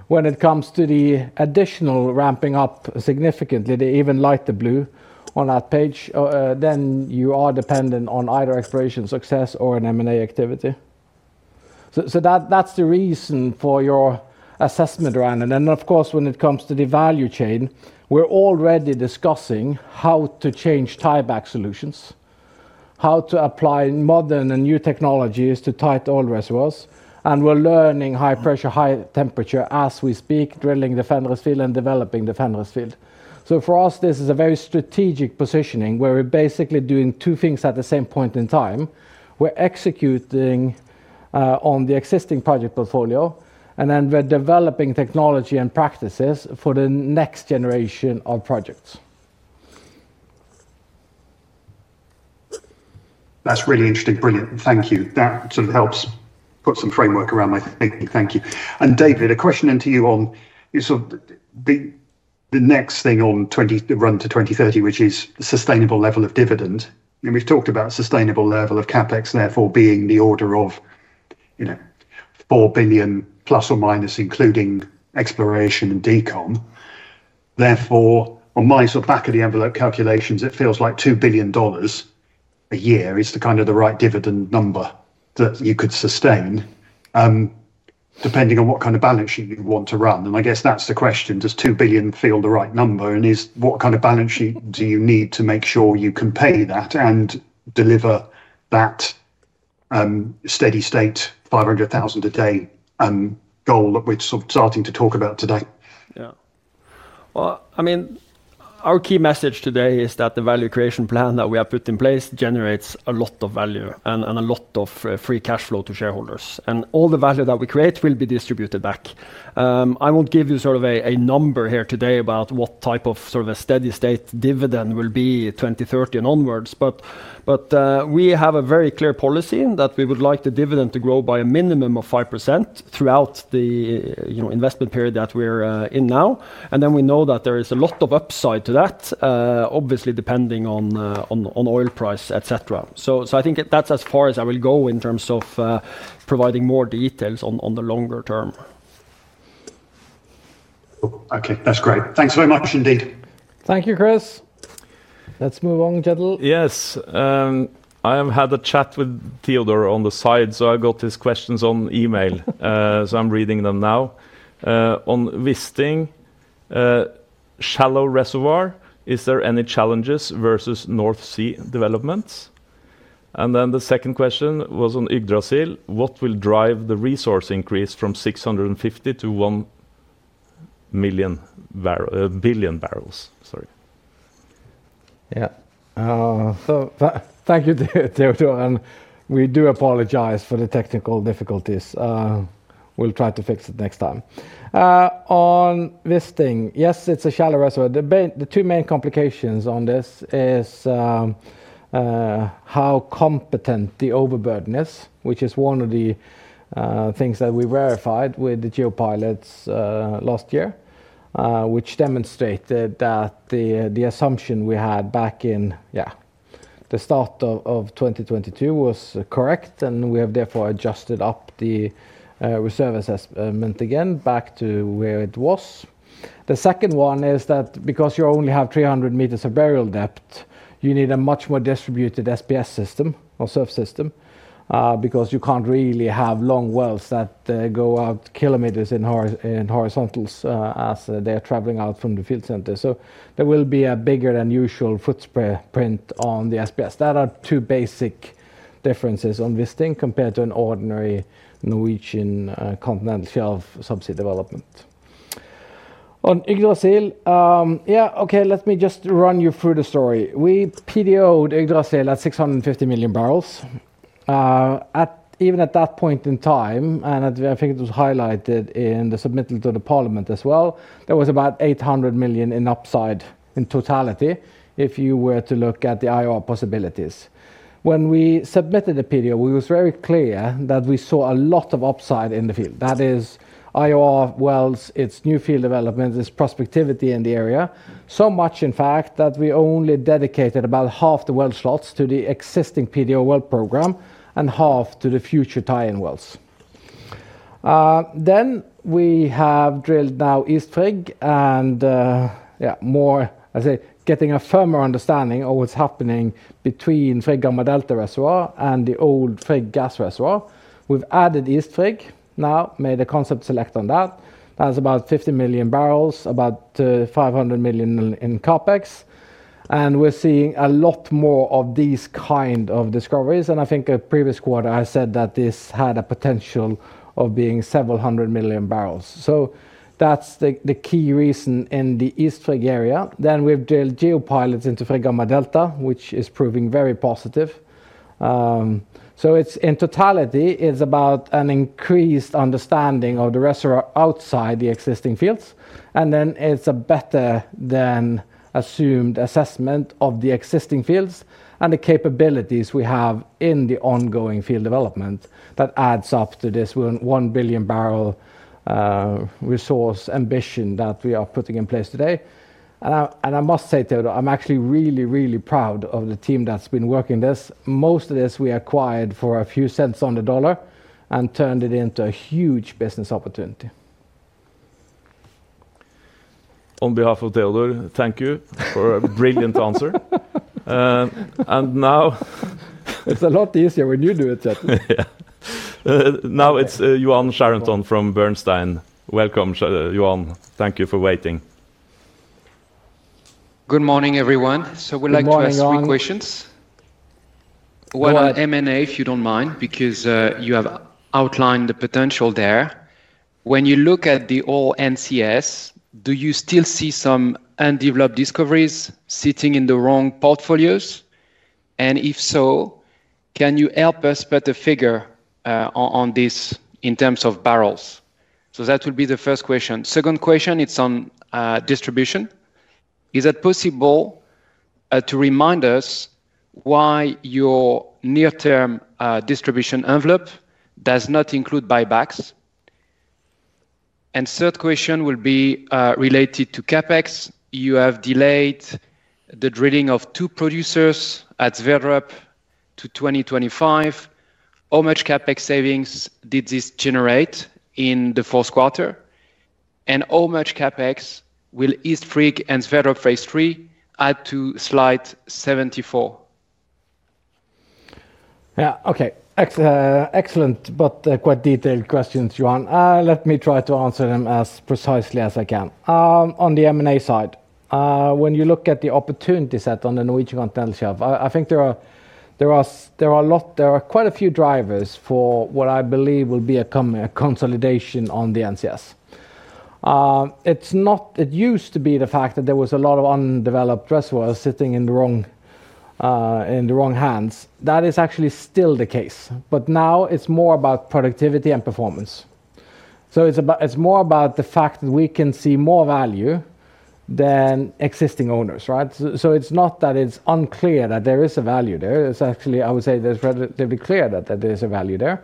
When it comes to the additional ramping up significantly, the even lighter blue on that page, then you are dependent on either exploration success or an M&A activity. So that's the reason for your assessment around it. And of course, when it comes to the value chain, we're already discussing how to change tieback solutions, how to apply modern and new technologies to tight oil reservoirs. And we're learning high pressure, high temperature as we speak, drilling the Fenris field and developing the Fenris field. So for us, this is a very strategic positioning where we're basically doing two things at the same point in time. We're executing on the existing project portfolio, and then we're developing technology and practices for the next generation of projects. That's really interesting. Brilliant. Thank you. That sort of helps put some framework around my thinking. Thank you. And David, a question into you on the next thing on the run to 2030, which is the sustainable level of dividend. And we've talked about the sustainable level of CAPEX, therefore being the order of $4 billion plus or minus, including exploration and decom. Therefore, on my sort of back-of-the-envelope calculations, it feels like $2 billion a year is the kind of the right dividend number that you could sustain, depending on what kind of balance sheet you want to run. And I guess that's the question. Does two billion feel the right number? And what kind of balance sheet do you need to make sure you can pay that and deliver that steady state 500,000 a day goal that we're sort of starting to talk about today? Yeah. Well, I mean, our key message today is that the value creation plan that we have put in place generates a lot of value and a lot of free cash flow to shareholders. And all the value that we create will be distributed back. I won't give you sort of a number here today about what type of sort of a steady state dividend will be 2030 and onwards. But we have a very clear policy that we would like the dividend to grow by a minimum of 5% throughout the investment period that we're in now. And then we know that there is a lot of upside to that, obviously depending on oil price, etc. So I think that's as far as I will go in terms of providing more details on the longer term. Okay, that's great. Thanks very much indeed. Thank you, Chris. Let's move on, gentlemen. Yes. I have had a chat with Teodor on the side, so I got his questions on email. So I'm reading them now. On Wisting, shallow reservoir, is there any challenges versus North Sea developments? And then the second question was on Yggdrasil, what will drive the resource increase from 650 to one billion barrels? Sorry. Yeah. So thank you, Teodor. And we do apologize for the technical difficulties. We'll try to fix it next time. On Wisting, yes, it's a shallow reservoir. The two main complications on this is how competent the overburden is, which is one of the things that we verified with the geo-pilots last year, which demonstrated that the assumption we had back in, yeah, the start of 2022 was correct. And we have therefore adjusted up the reserve assessment again back to where it was. The second one is that because you only have 300 meters of burial depth, you need a much more distributed SPS system or SURF system because you can't really have long wells that go out kilometers in horizontals as they're traveling out from the field center. So there will be a bigger than usual footprint on the SPS. That are two basic differences on Wisting compared to an ordinary Norwegian Continental Shelf subsea development. On Yggdrasil, yeah, okay, let me just run you through the story. We PDOed Yggdrasil at 650 million barrels. Even at that point in time, and I think it was highlighted in the submittal to the Parliament as well, there was about $800 million in upside in totality if you were to look at the IOR possibilities. When we submitted the PDO, we were very clear that we saw a lot of upside in the field. That is IOR wells, its new field development, its prospectivity in the area. So much, in fact, that we only dedicated about half the well slots to the existing PDO well program and half to the future tie-in wells. Then we have drilled now East Frigg and getting a firmer understanding of what's happening between Frigg Gamma Delta reservoir and the old Frigg gas reservoir. We've added East Frigg now, made a concept select on that. That's about 50 million barrels, about $500 million in CAPEX. We're seeing a lot more of these kind of discoveries. I think a previous quarter, I said that this had a potential of being several hundred million barrels. That's the key reason in the East Frigg area. Then we've drilled geo-pilots into Frigg Gamma Delta, which is proving very positive. In totality, it's about an increased understanding of the reservoir outside the existing fields. Then it's a better than assumed assessment of the existing fields and the capabilities we have in the ongoing field development that adds up to this 1 billion barrel resource ambition that we are putting in place today. I must say, Teodor, I'm actually really, really proud of the team that's been working this. Most of this we acquired for a few cents on the dollar and turned it into a huge business opportunity. On behalf of Teodor, thank you for a brilliant answer. And now. It's a lot easier when you do it, Kjetil. Now it's Yoann Charenton from Bernstein. Welcome, Yoann. Thank you for waiting. Good morning, everyone. We'd like to ask three questions. One on M&A, if you don't mind, because you have outlined the potential there. When you look at the whole NCS, do you still see some undeveloped discoveries sitting in the wrong portfolios? And if so, can you help us put a figure on this in terms of barrels? That would be the first question. Second question, it's on distribution. Is it possible to remind us why your near-term distribution envelope does not include buybacks? And third question will be related to CapEx. You have delayed the drilling of two producers at Sverdrup to 2025. How much CapEx savings did this generate in the fourth quarter? And how much CapEx will East Frigg and Sverdrup Phase 3 add to slide 74? Yeah, okay. Excellent, but quite detailed questions, Yoann. Let me try to answer them as precisely as I can. On the M&A side, when you look at the opportunity set on the Norwegian Continental Shelf, I think there are a lot, there are quite a few drivers for what I believe will be a consolidation on the NCS. It used to be the fact that there was a lot of undeveloped reservoirs sitting in the wrong hands. That is actually still the case. But now it's more about productivity and performance. So it's more about the fact that we can see more value than existing owners, right? So it's not that it's unclear that there is a value there. It's actually, I would say, there's relatively clear that there is a value there.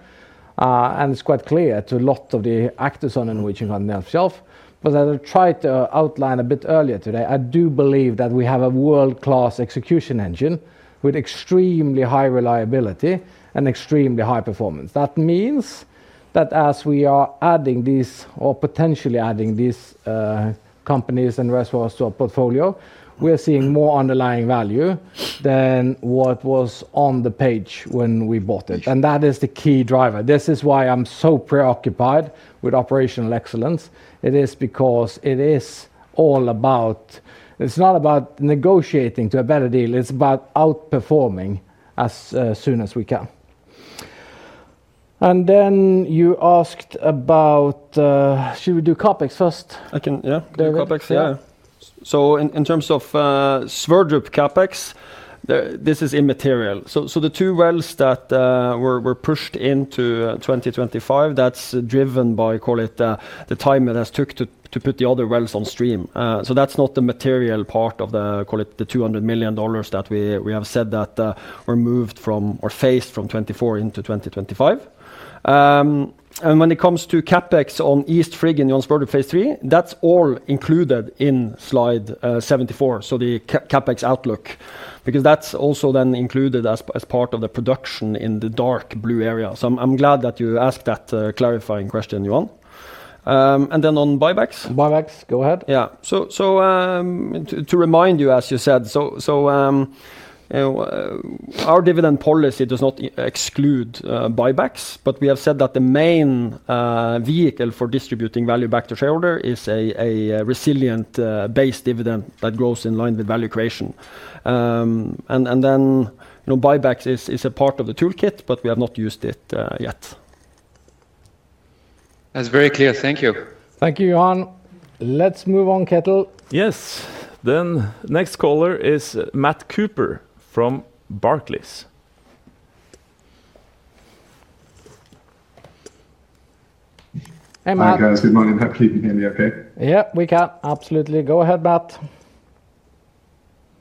It's quite clear to a lot of the actors on the Norwegian Continental Shelf. As I tried to outline a bit earlier today, I do believe that we have a world-class execution engine with extremely high reliability and extremely high performance. That means that as we are adding these or potentially adding these companies and reservoirs to our portfolio, we're seeing more underlying value than what was on the page when we bought it. That is the key driver. This is why I'm so preoccupied with operational excellence. It is because it is all about, it's not about negotiating to a better deal. It's about outperforming as soon as we can. You asked about, should we do CapEx first? I can, yeah, do CapEx, yeah. In terms of Sverdrup CapEx, this is immaterial. The two wells that were pushed into 2025, that's driven by, call it the time it has took to put the other wells on stream. That's not the material part of the, call it the $200 million that we have said that were moved from or phased from 2024 into 2025. When it comes to CapEx on East Frigg and Johan Sverdrup Phase 3, that's all included in slide 74, so the CapEx outlook, because that's also then included as part of the production in the dark blue area. I'm glad that you asked that clarifying question, Yoann. And then on buybacks? Buybacks, go ahead. Yeah. To remind you, as you said, our dividend policy does not exclude buybacks, but we have said that the main vehicle for distributing value back to shareholder is a reserves-based dividend that grows in line with value creation. And then buybacks is a part of the toolkit, but we have not used it yet. That's very clear. Thank you. Thank you, Yoann. Let's move on, Kjetil. Yes. Then next caller is Matthew Cooper from Barclays. Hey, Matt. Hi, guys. Good morning. Hopefully you can hear me okay. Yeah, we can. Absolutely. Go ahead, Matt.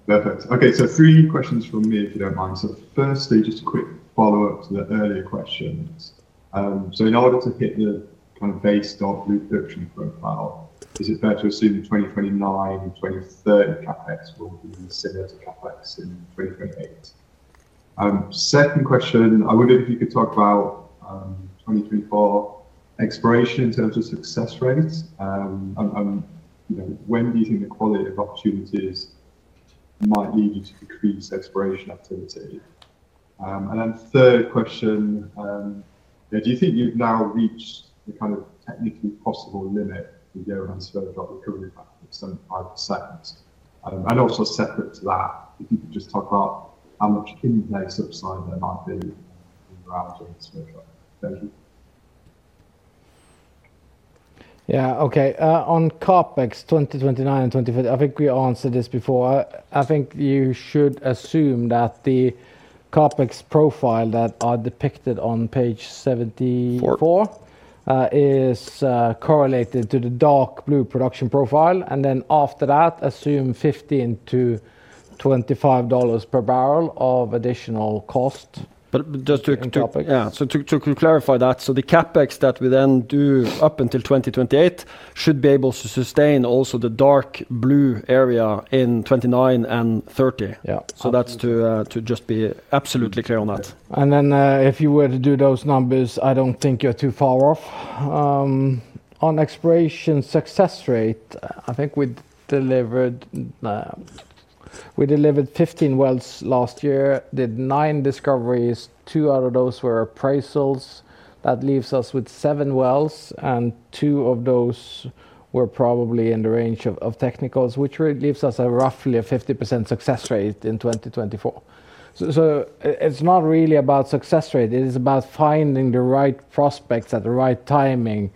Perfect. Okay, so three questions from me, if you don't mind. So firstly, just a quick follow-up to the earlier questions. So in order to hit the kind of base case production profile, is it fair to assume 2029 and 2030 CapEx will be similar to CapEx in 2028? Second question, I wondered if you could talk about 2024 exploration in terms of success rate. And when do you think the quality of opportunities might lead you to decrease exploration activity? And then third question, do you think you've now reached the kind of technically possible limit to go around Sverdrup with current CapEx? And also separate to that, if you could just talk about how much in place upside there might be around Sverdrup. Thank you. Yeah, okay. On CapEx 2029 and 2020, I think we answered this before. I think you should assume that the CapEx profile that are depicted on page 74 is correlated to the dark blue production profile. And then after that, assume $15-$25 per barrel of additional cost. But just to clarify that, so the CapEx that we then do up until 2028 should be able to sustain also the dark blue area in 29 and 30. So that's to just be absolutely clear on that. And then if you were to do those numbers, I don't think you're too far off. On exploration success rate, I think we delivered 15 wells last year, did nine discoveries, two out of those were appraisals. That leaves us with seven wells, and two of those were probably in the range of technicals, which leaves us roughly a 50% success rate in 2024. So it's not really about success rate. It is about finding the right prospects at the right timing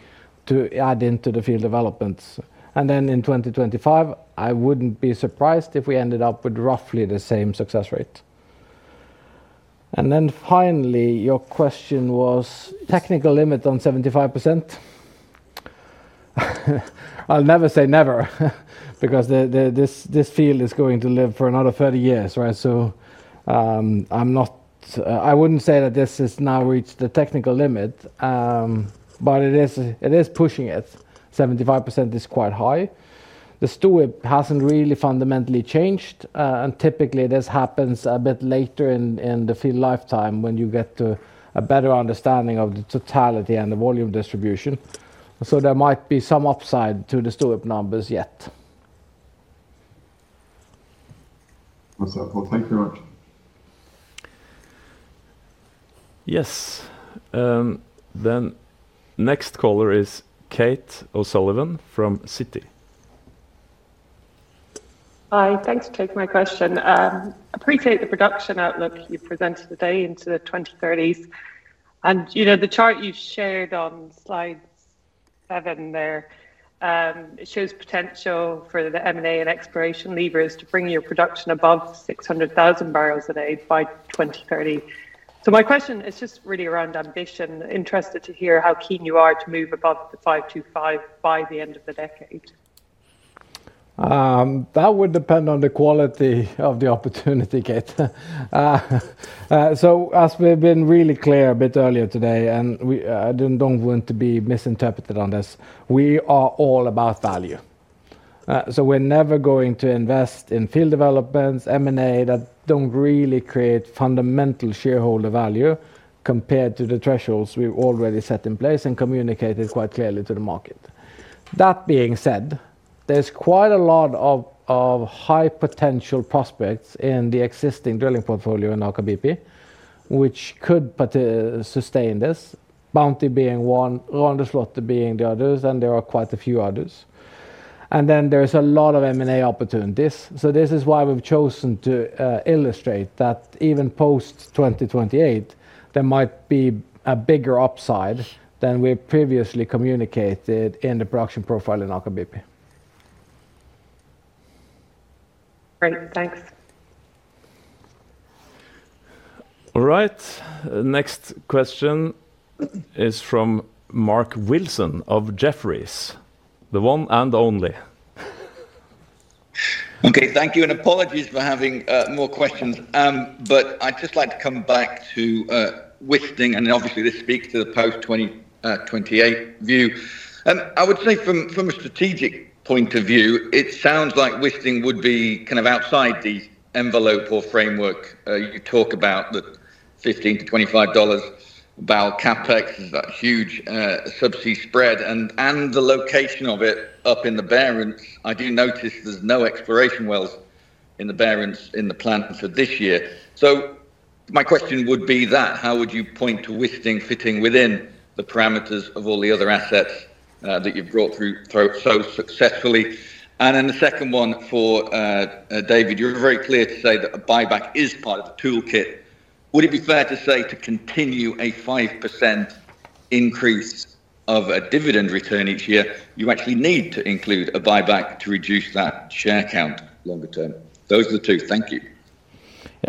to add into the field developments. And then in 2025, I wouldn't be surprised if we ended up with roughly the same success rate. And then finally, your question was technical limit on 75%. I'll never say never because this field is going to live for another 30 years, right? So I wouldn't say that this has now reached the technical limit, but it is pushing it. 75% is quite high. The tool hasn't really fundamentally changed. Typically, this happens a bit later in the field lifetime when you get to a better understanding of the totality and the volume distribution. There might be some upside to the STOIIP numbers yet. Well said. Thank you very much. Yes. Next caller is Kate O'Sullivan from Citi. Hi. Thanks for taking my question. I appreciate the production outlook you've presented today into the 2030s. The chart you've shared on slide seven there shows potential for the M&A and exploration levers to bring your production above 600,000 barrels a day by 2030. My question is just really around ambition. Interested to hear how keen you are to move above the 525 by the end of the decade. That would depend on the quality of the opportunity, Kate. So as we've been really clear a bit earlier today, and I don't want to be misinterpreted on this, we are all about value. So we're never going to invest in field developments, M&A that don't really create fundamental shareholder value compared to the thresholds we've already set in place and communicated quite clearly to the market. That being said, there's quite a lot of high potential prospects in the existing drilling portfolio in our Aker BP, which could sustain this, Bounty being one, Rondeslottet being the others, and there are quite a few others. And then there is a lot of M&A opportunities. So this is why we've chosen to illustrate that even post 2028, there might be a bigger upside than we previously communicated in the production profile in our Aker BP. Great. Thanks. All right. Next question is from Mark Wilson of Jefferies, the one and only. Okay. Thank you. And apologies for having more questions. But I'd just like to come back to Wisting. And obviously, this speaks to the post 2028 view. I would say from a strategic point of view, it sounds like Wisting would be kind of outside the envelope or framework you talk about, the $15-$25 billion CapEx, that huge subsea spread, and the location of it up in the Barents. I do notice there's no exploration wells in the Barents in the plan for this year. So my question would be that, how would you point to Wisting fitting within the parameters of all the other assets that you've brought through so successfully? And then the second one for David, you're very clear to say that a buyback is part of the toolkit. Would it be fair to say to continue a 5% increase of a dividend return each year, you actually need to include a buyback to reduce that share count longer term? Those are the two. Thank you.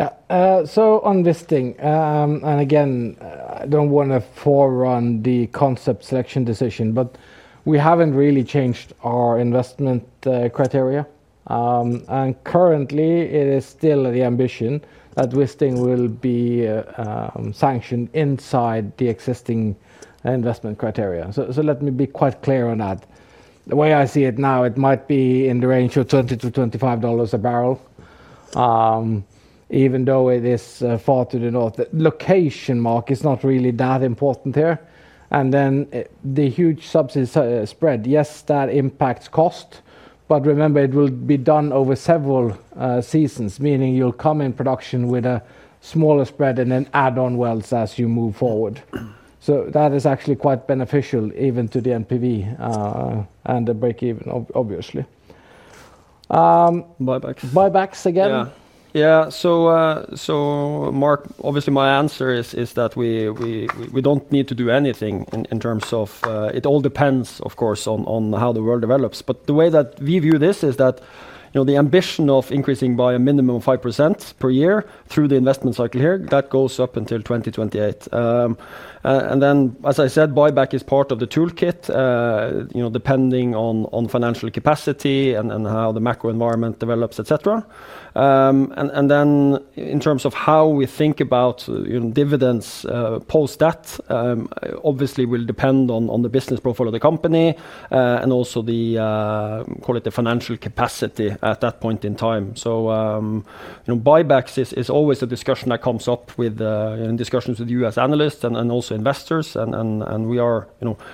Yeah. So on Wisting, and again, I don't want to forerun the concept selection decision, but we haven't really changed our investment criteria. And currently, it is still the ambition that Wisting will be sanctioned inside the existing investment criteria. So let me be quite clear on that. The way I see it now, it might be in the range of $20-$25 a barrel, even though it is far to the north. Location markup is not really that important here. And then the huge subsea spread, yes, that impacts cost. But remember, it will be done over several seasons, meaning you'll come in production with a smaller spread and then add on wells as you move forward. So that is actually quite beneficial even to the NPV and the break-even, obviously. Buybacks. Buybacks again. Yeah. So Mark, obviously, my answer is that we don't need to do anything in terms of it all depends, of course, on how the world develops. But the way that we view this is that the ambition of increasing by a minimum of 5% per year through the investment cycle here, that goes up until 2028. And then, as I said, buyback is part of the toolkit, depending on financial capacity and how the macro environment develops, etc. And then in terms of how we think about dividends post-debt, obviously, will depend on the business profile of the company and also the, call it, the financial capacity at that point in time. So buybacks is always a discussion that comes up with discussions with US analysts and also investors. And we are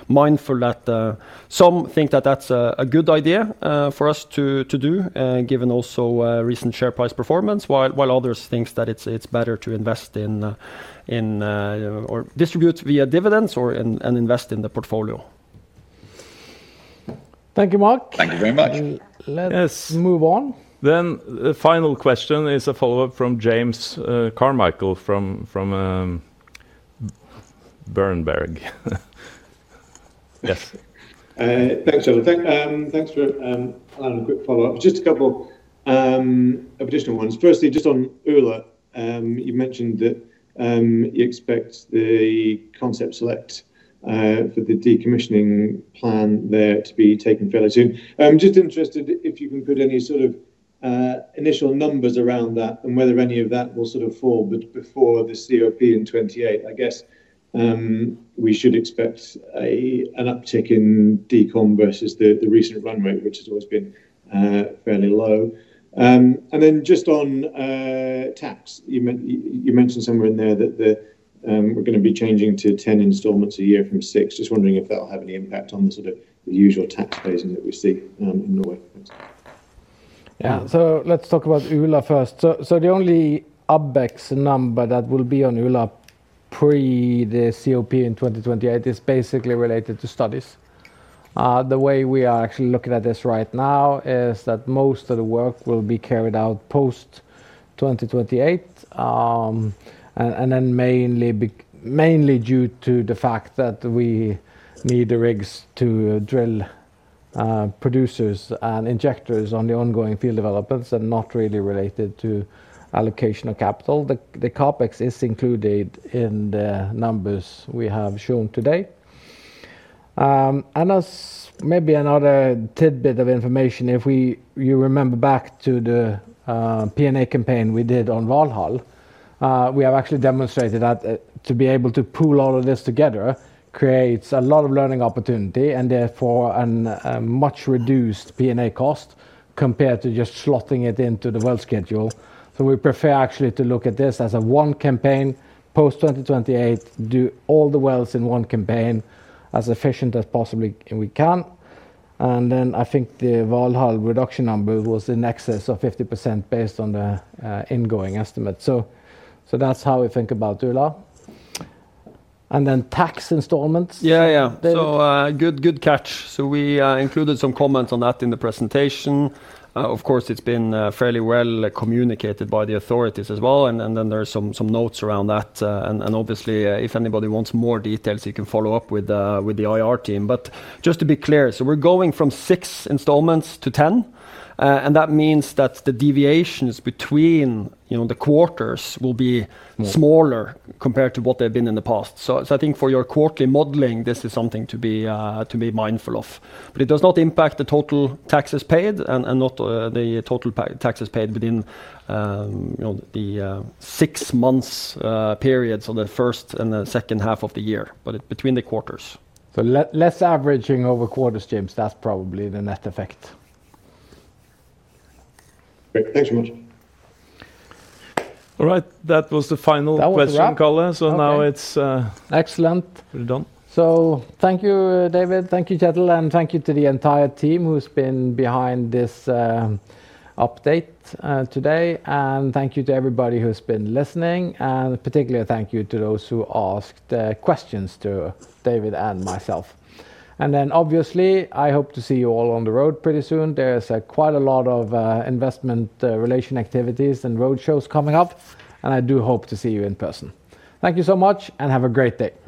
mindful that some think that that's a good idea for us to do, given also recent share price performance, while others think that it's better to invest in or distribute via dividends or invest in the portfolio. Thank you, Mark. Thank you very much. Let's move on. Then the final question is a follow-up from James Carmichael from Berenberg. Yes. Thanks, Jonathan. Thanks for a quick follow-up. Just a couple of additional ones. Firstly, just on Ula, you mentioned that you expect the concept select for the decommissioning plan there to be taken fairly soon. I'm just interested if you can put any sort of initial numbers around that and whether any of that will sort of fall before the COP in 2028. I guess we should expect an uptick in decom versus the recent run rate, which has always been fairly low. And then just on tax, you mentioned somewhere in there that we're going to be changing to 10 installments a year from six. Just wondering if that will have any impact on the sort of usual tax basis that we see in Norway. Yeah. So let's talk about Ula first. So the only CAPEX number that will be on Ula pre the COP in 2028 is basically related to studies. The way we are actually looking at this right now is that most of the work will be carried out post 2028. And then mainly due to the fact that we need the rigs to drill producers and injectors on the ongoing field developments and not really related to allocation of capital. The CAPEX is included in the numbers we have shown today. And as maybe another tidbit of information, if you remember back to the P&A campaign we did on Valhall, we have actually demonstrated that to be able to pool all of this together creates a lot of learning opportunity and therefore a much reduced P&A cost compared to just slotting it into the well schedule. So we prefer actually to look at this as a one campaign post 2028, do all the wells in one campaign as efficient as possibly we can. And then I think the Valhall reduction number was in excess of 50% based on the ingoing estimate. So that's how we think about Ula. And then tax installments. Yeah, yeah. So good catch. So we included some comments on that in the presentation. Of course, it's been fairly well communicated by the authorities as well. And then there are some notes around that. And obviously, if anybody wants more details, you can follow up with the IR team. But just to be clear, so we're going from six installments to 10. And that means that the deviations between the quarters will be smaller compared to what they've been in the past. So I think for your quarterly modeling, this is something to be mindful of. But it does not impact the total taxes paid and not the total taxes paid within the six-month period, so the first and the second half of the year, but between the quarters. So less averaging over quarters, James, that's probably the net effect. Great. Thanks so much. All right. That was the final question, Karl. So now it's excellent. So thank you, David. Thank you, Kjetil. And thank you to the entire team who's been behind this update today. And thank you to everybody who's been listening. And particularly, thank you to those who asked questions to David and myself. And then obviously, I hope to see you all on the road pretty soon. There's quite a lot of investor relations activities and road shows coming up. And I do hope to see you in person. Thank you so much and have a great day.